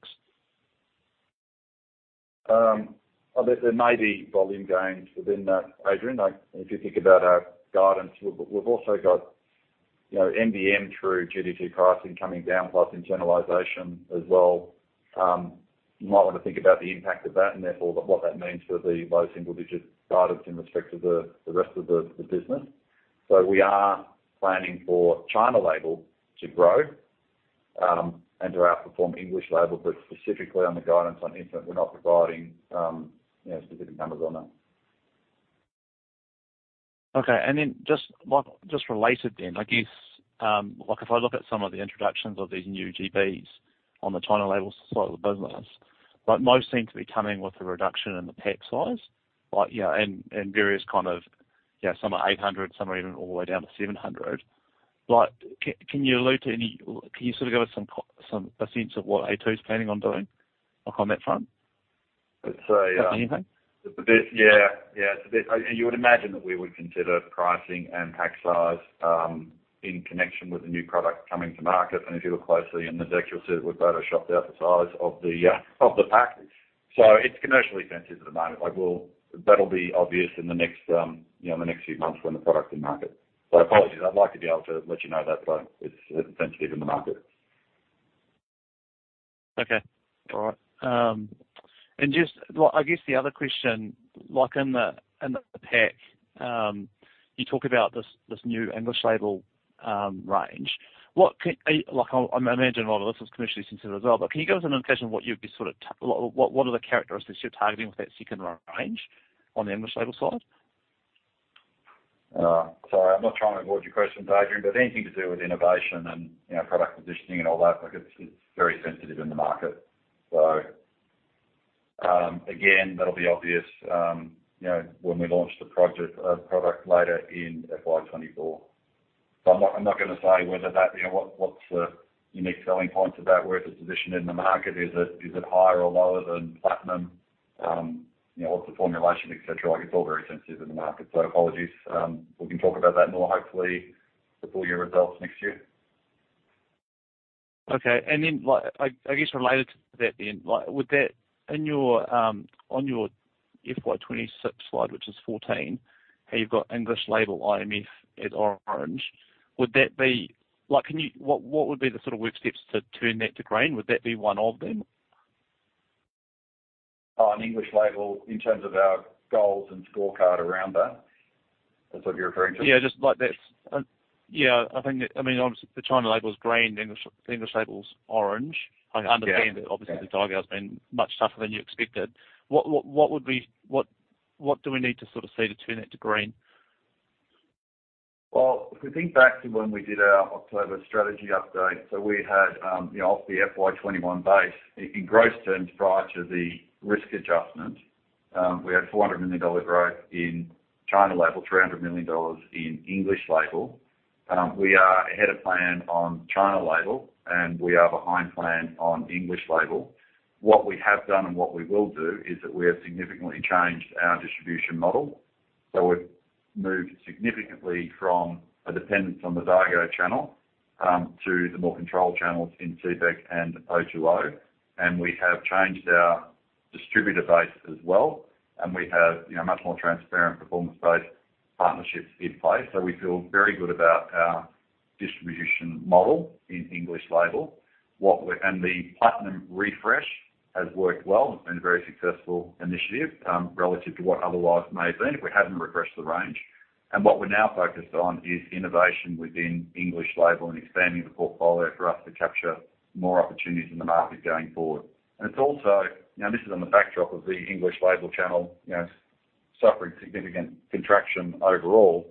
Speaker 3: There, there may be volume gains within that, Adrian. If you think about our guidance, we've, we've also got, you know, MVM through GD2 pricing coming down, plus in generalization as well. You might want to think about the impact of that and therefore what that means for the low single digit guidance in respect to the, the rest of the, the business. We are planning for China label to grow and to outperform English label. Specifically on the guidance on Infant, we're not providing, you know, specific numbers on that.
Speaker 18: Okay. Then just like, just related then, I guess, like if I look at some of the introductions of these new GBs on the China labels side of the business, like most seem to be coming with a reduction in the pack size, like, you know, and, and various kind of, you know, some are 800, some are even all the way down to 700. Like, can you allude to any, can you sort of give us some, a sense of what a2 is planning on doing on that front?
Speaker 3: So, yeah-
Speaker 18: Anything?
Speaker 3: The bit, yeah, yeah, it's a bit. You would imagine that we would consider pricing and pack size, in connection with the new product coming to market. If you look closely in the deck, you'll see that we've photoshopped out the size of the of the package. It's commercially sensitive at the moment. Like, we'll. That'll be obvious in the next, you know, in the next few months when the product is in market. Apologies, I'd like to be able to let you know that, but it's, it's sensitive in the market.
Speaker 18: Okay. All right. Just, well, I guess the other question, like in the, in the pack, you talk about this, this new English label range. Like, I, I imagine a lot of this is commercially sensitive as well, but can you give us an indication what you'd be sort of what, what are the characteristics you're targeting with that second range on the English label side?...
Speaker 3: sorry, I'm not trying to avoid your question, Adrian Allbon, but anything to do with innovation and, you know, product positioning and all that, like, it's, it's very sensitive in the market. Again, that'll be obvious, you know, when we launch the project, product later in FY 2024. I'm not, I'm not gonna say whether that, you know, what, what's the unique selling point to that, where it's a position in the market. Is it, is it higher or lower than a2 Platinum? You know, what's the formulation, et cetera. Like, it's all very sensitive in the market. Apologies. We can talk about that more, hopefully, the full-year results next year.
Speaker 18: Okay. Like, I guess related to that then, like, would that in your, on your FY 2026 slide, which is 14, how you've got English label IMF at orange, would that be? Can you, what would be the sort of work steps to turn that to green? Would that be one of them?
Speaker 3: Oh, an English label in terms of our goals and scorecard around that? That's what you're referring to.
Speaker 18: Yeah, just like that. Yeah, I think, I mean, obviously, the China label is green, the English, English label's orange.
Speaker 3: Yeah.
Speaker 18: I understand that obviously the Daigou has been much tougher than you expected. What do we need to sort of see to turn that to green?
Speaker 3: Well, if we think back to when we did our October strategy update, we had, you know, off the FY 2021 base, in, in gross terms, prior to the risk adjustment, we had 400 million dollar growth in China label, 300 million dollars in English label. We are ahead of plan on China label, we are behind plan on English label. What we have done and what we will do is that we have significantly changed our distribution model, we've moved significantly from a dependence on the Daigou channel, to the more controlled channels in CBEC and O2O. We have changed our distributor base as well, and we have, you know, much more transparent performance-based partnerships in place. We feel very good about our distribution model in English label. The Platinum refresh has worked well. It's been a very successful initiative, relative to what otherwise may have been if we hadn't refreshed the range. What we're now focused on is innovation within English label and expanding the portfolio for us to capture more opportunities in the market going forward. It's also, you know, this is on the backdrop of the English label channel, you know, suffering significant contraction overall.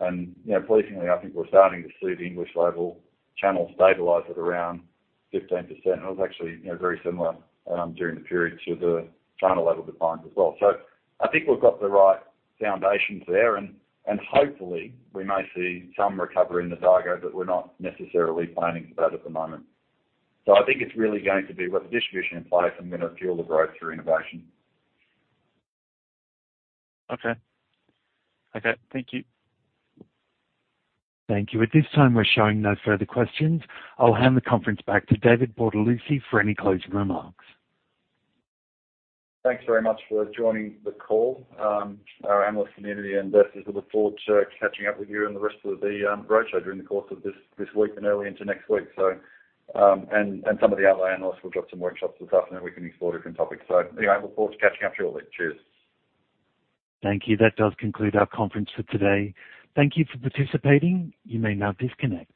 Speaker 3: You know, pleasingly, I think we're starting to see the English label channel stabilize at around 15%. It was actually, you know, very similar during the period to the China label declines as well. I think we've got the right foundations there, and, and hopefully we may see some recovery in the Daigou, but we're not necessarily planning for that at the moment. I think it's really going to be with the distribution in place and gonna fuel the growth through innovation.
Speaker 18: Okay. Okay, thank you.
Speaker 1: Thank you. At this time, we're showing no further questions. I'll hand the conference back to David Bortolussi for any closing remarks.
Speaker 3: Thanks very much for joining the call. Our analyst community investors, we look forward to catching up with you and the rest of the roadshow during the course of this, this week and early into next week. Some of the other analysts will drop some workshops this afternoon. We can explore different topics. Anyway, look forward to catching up shortly. Cheers!
Speaker 1: Thank you. That does conclude our conference for today. Thank you for participating. You may now disconnect.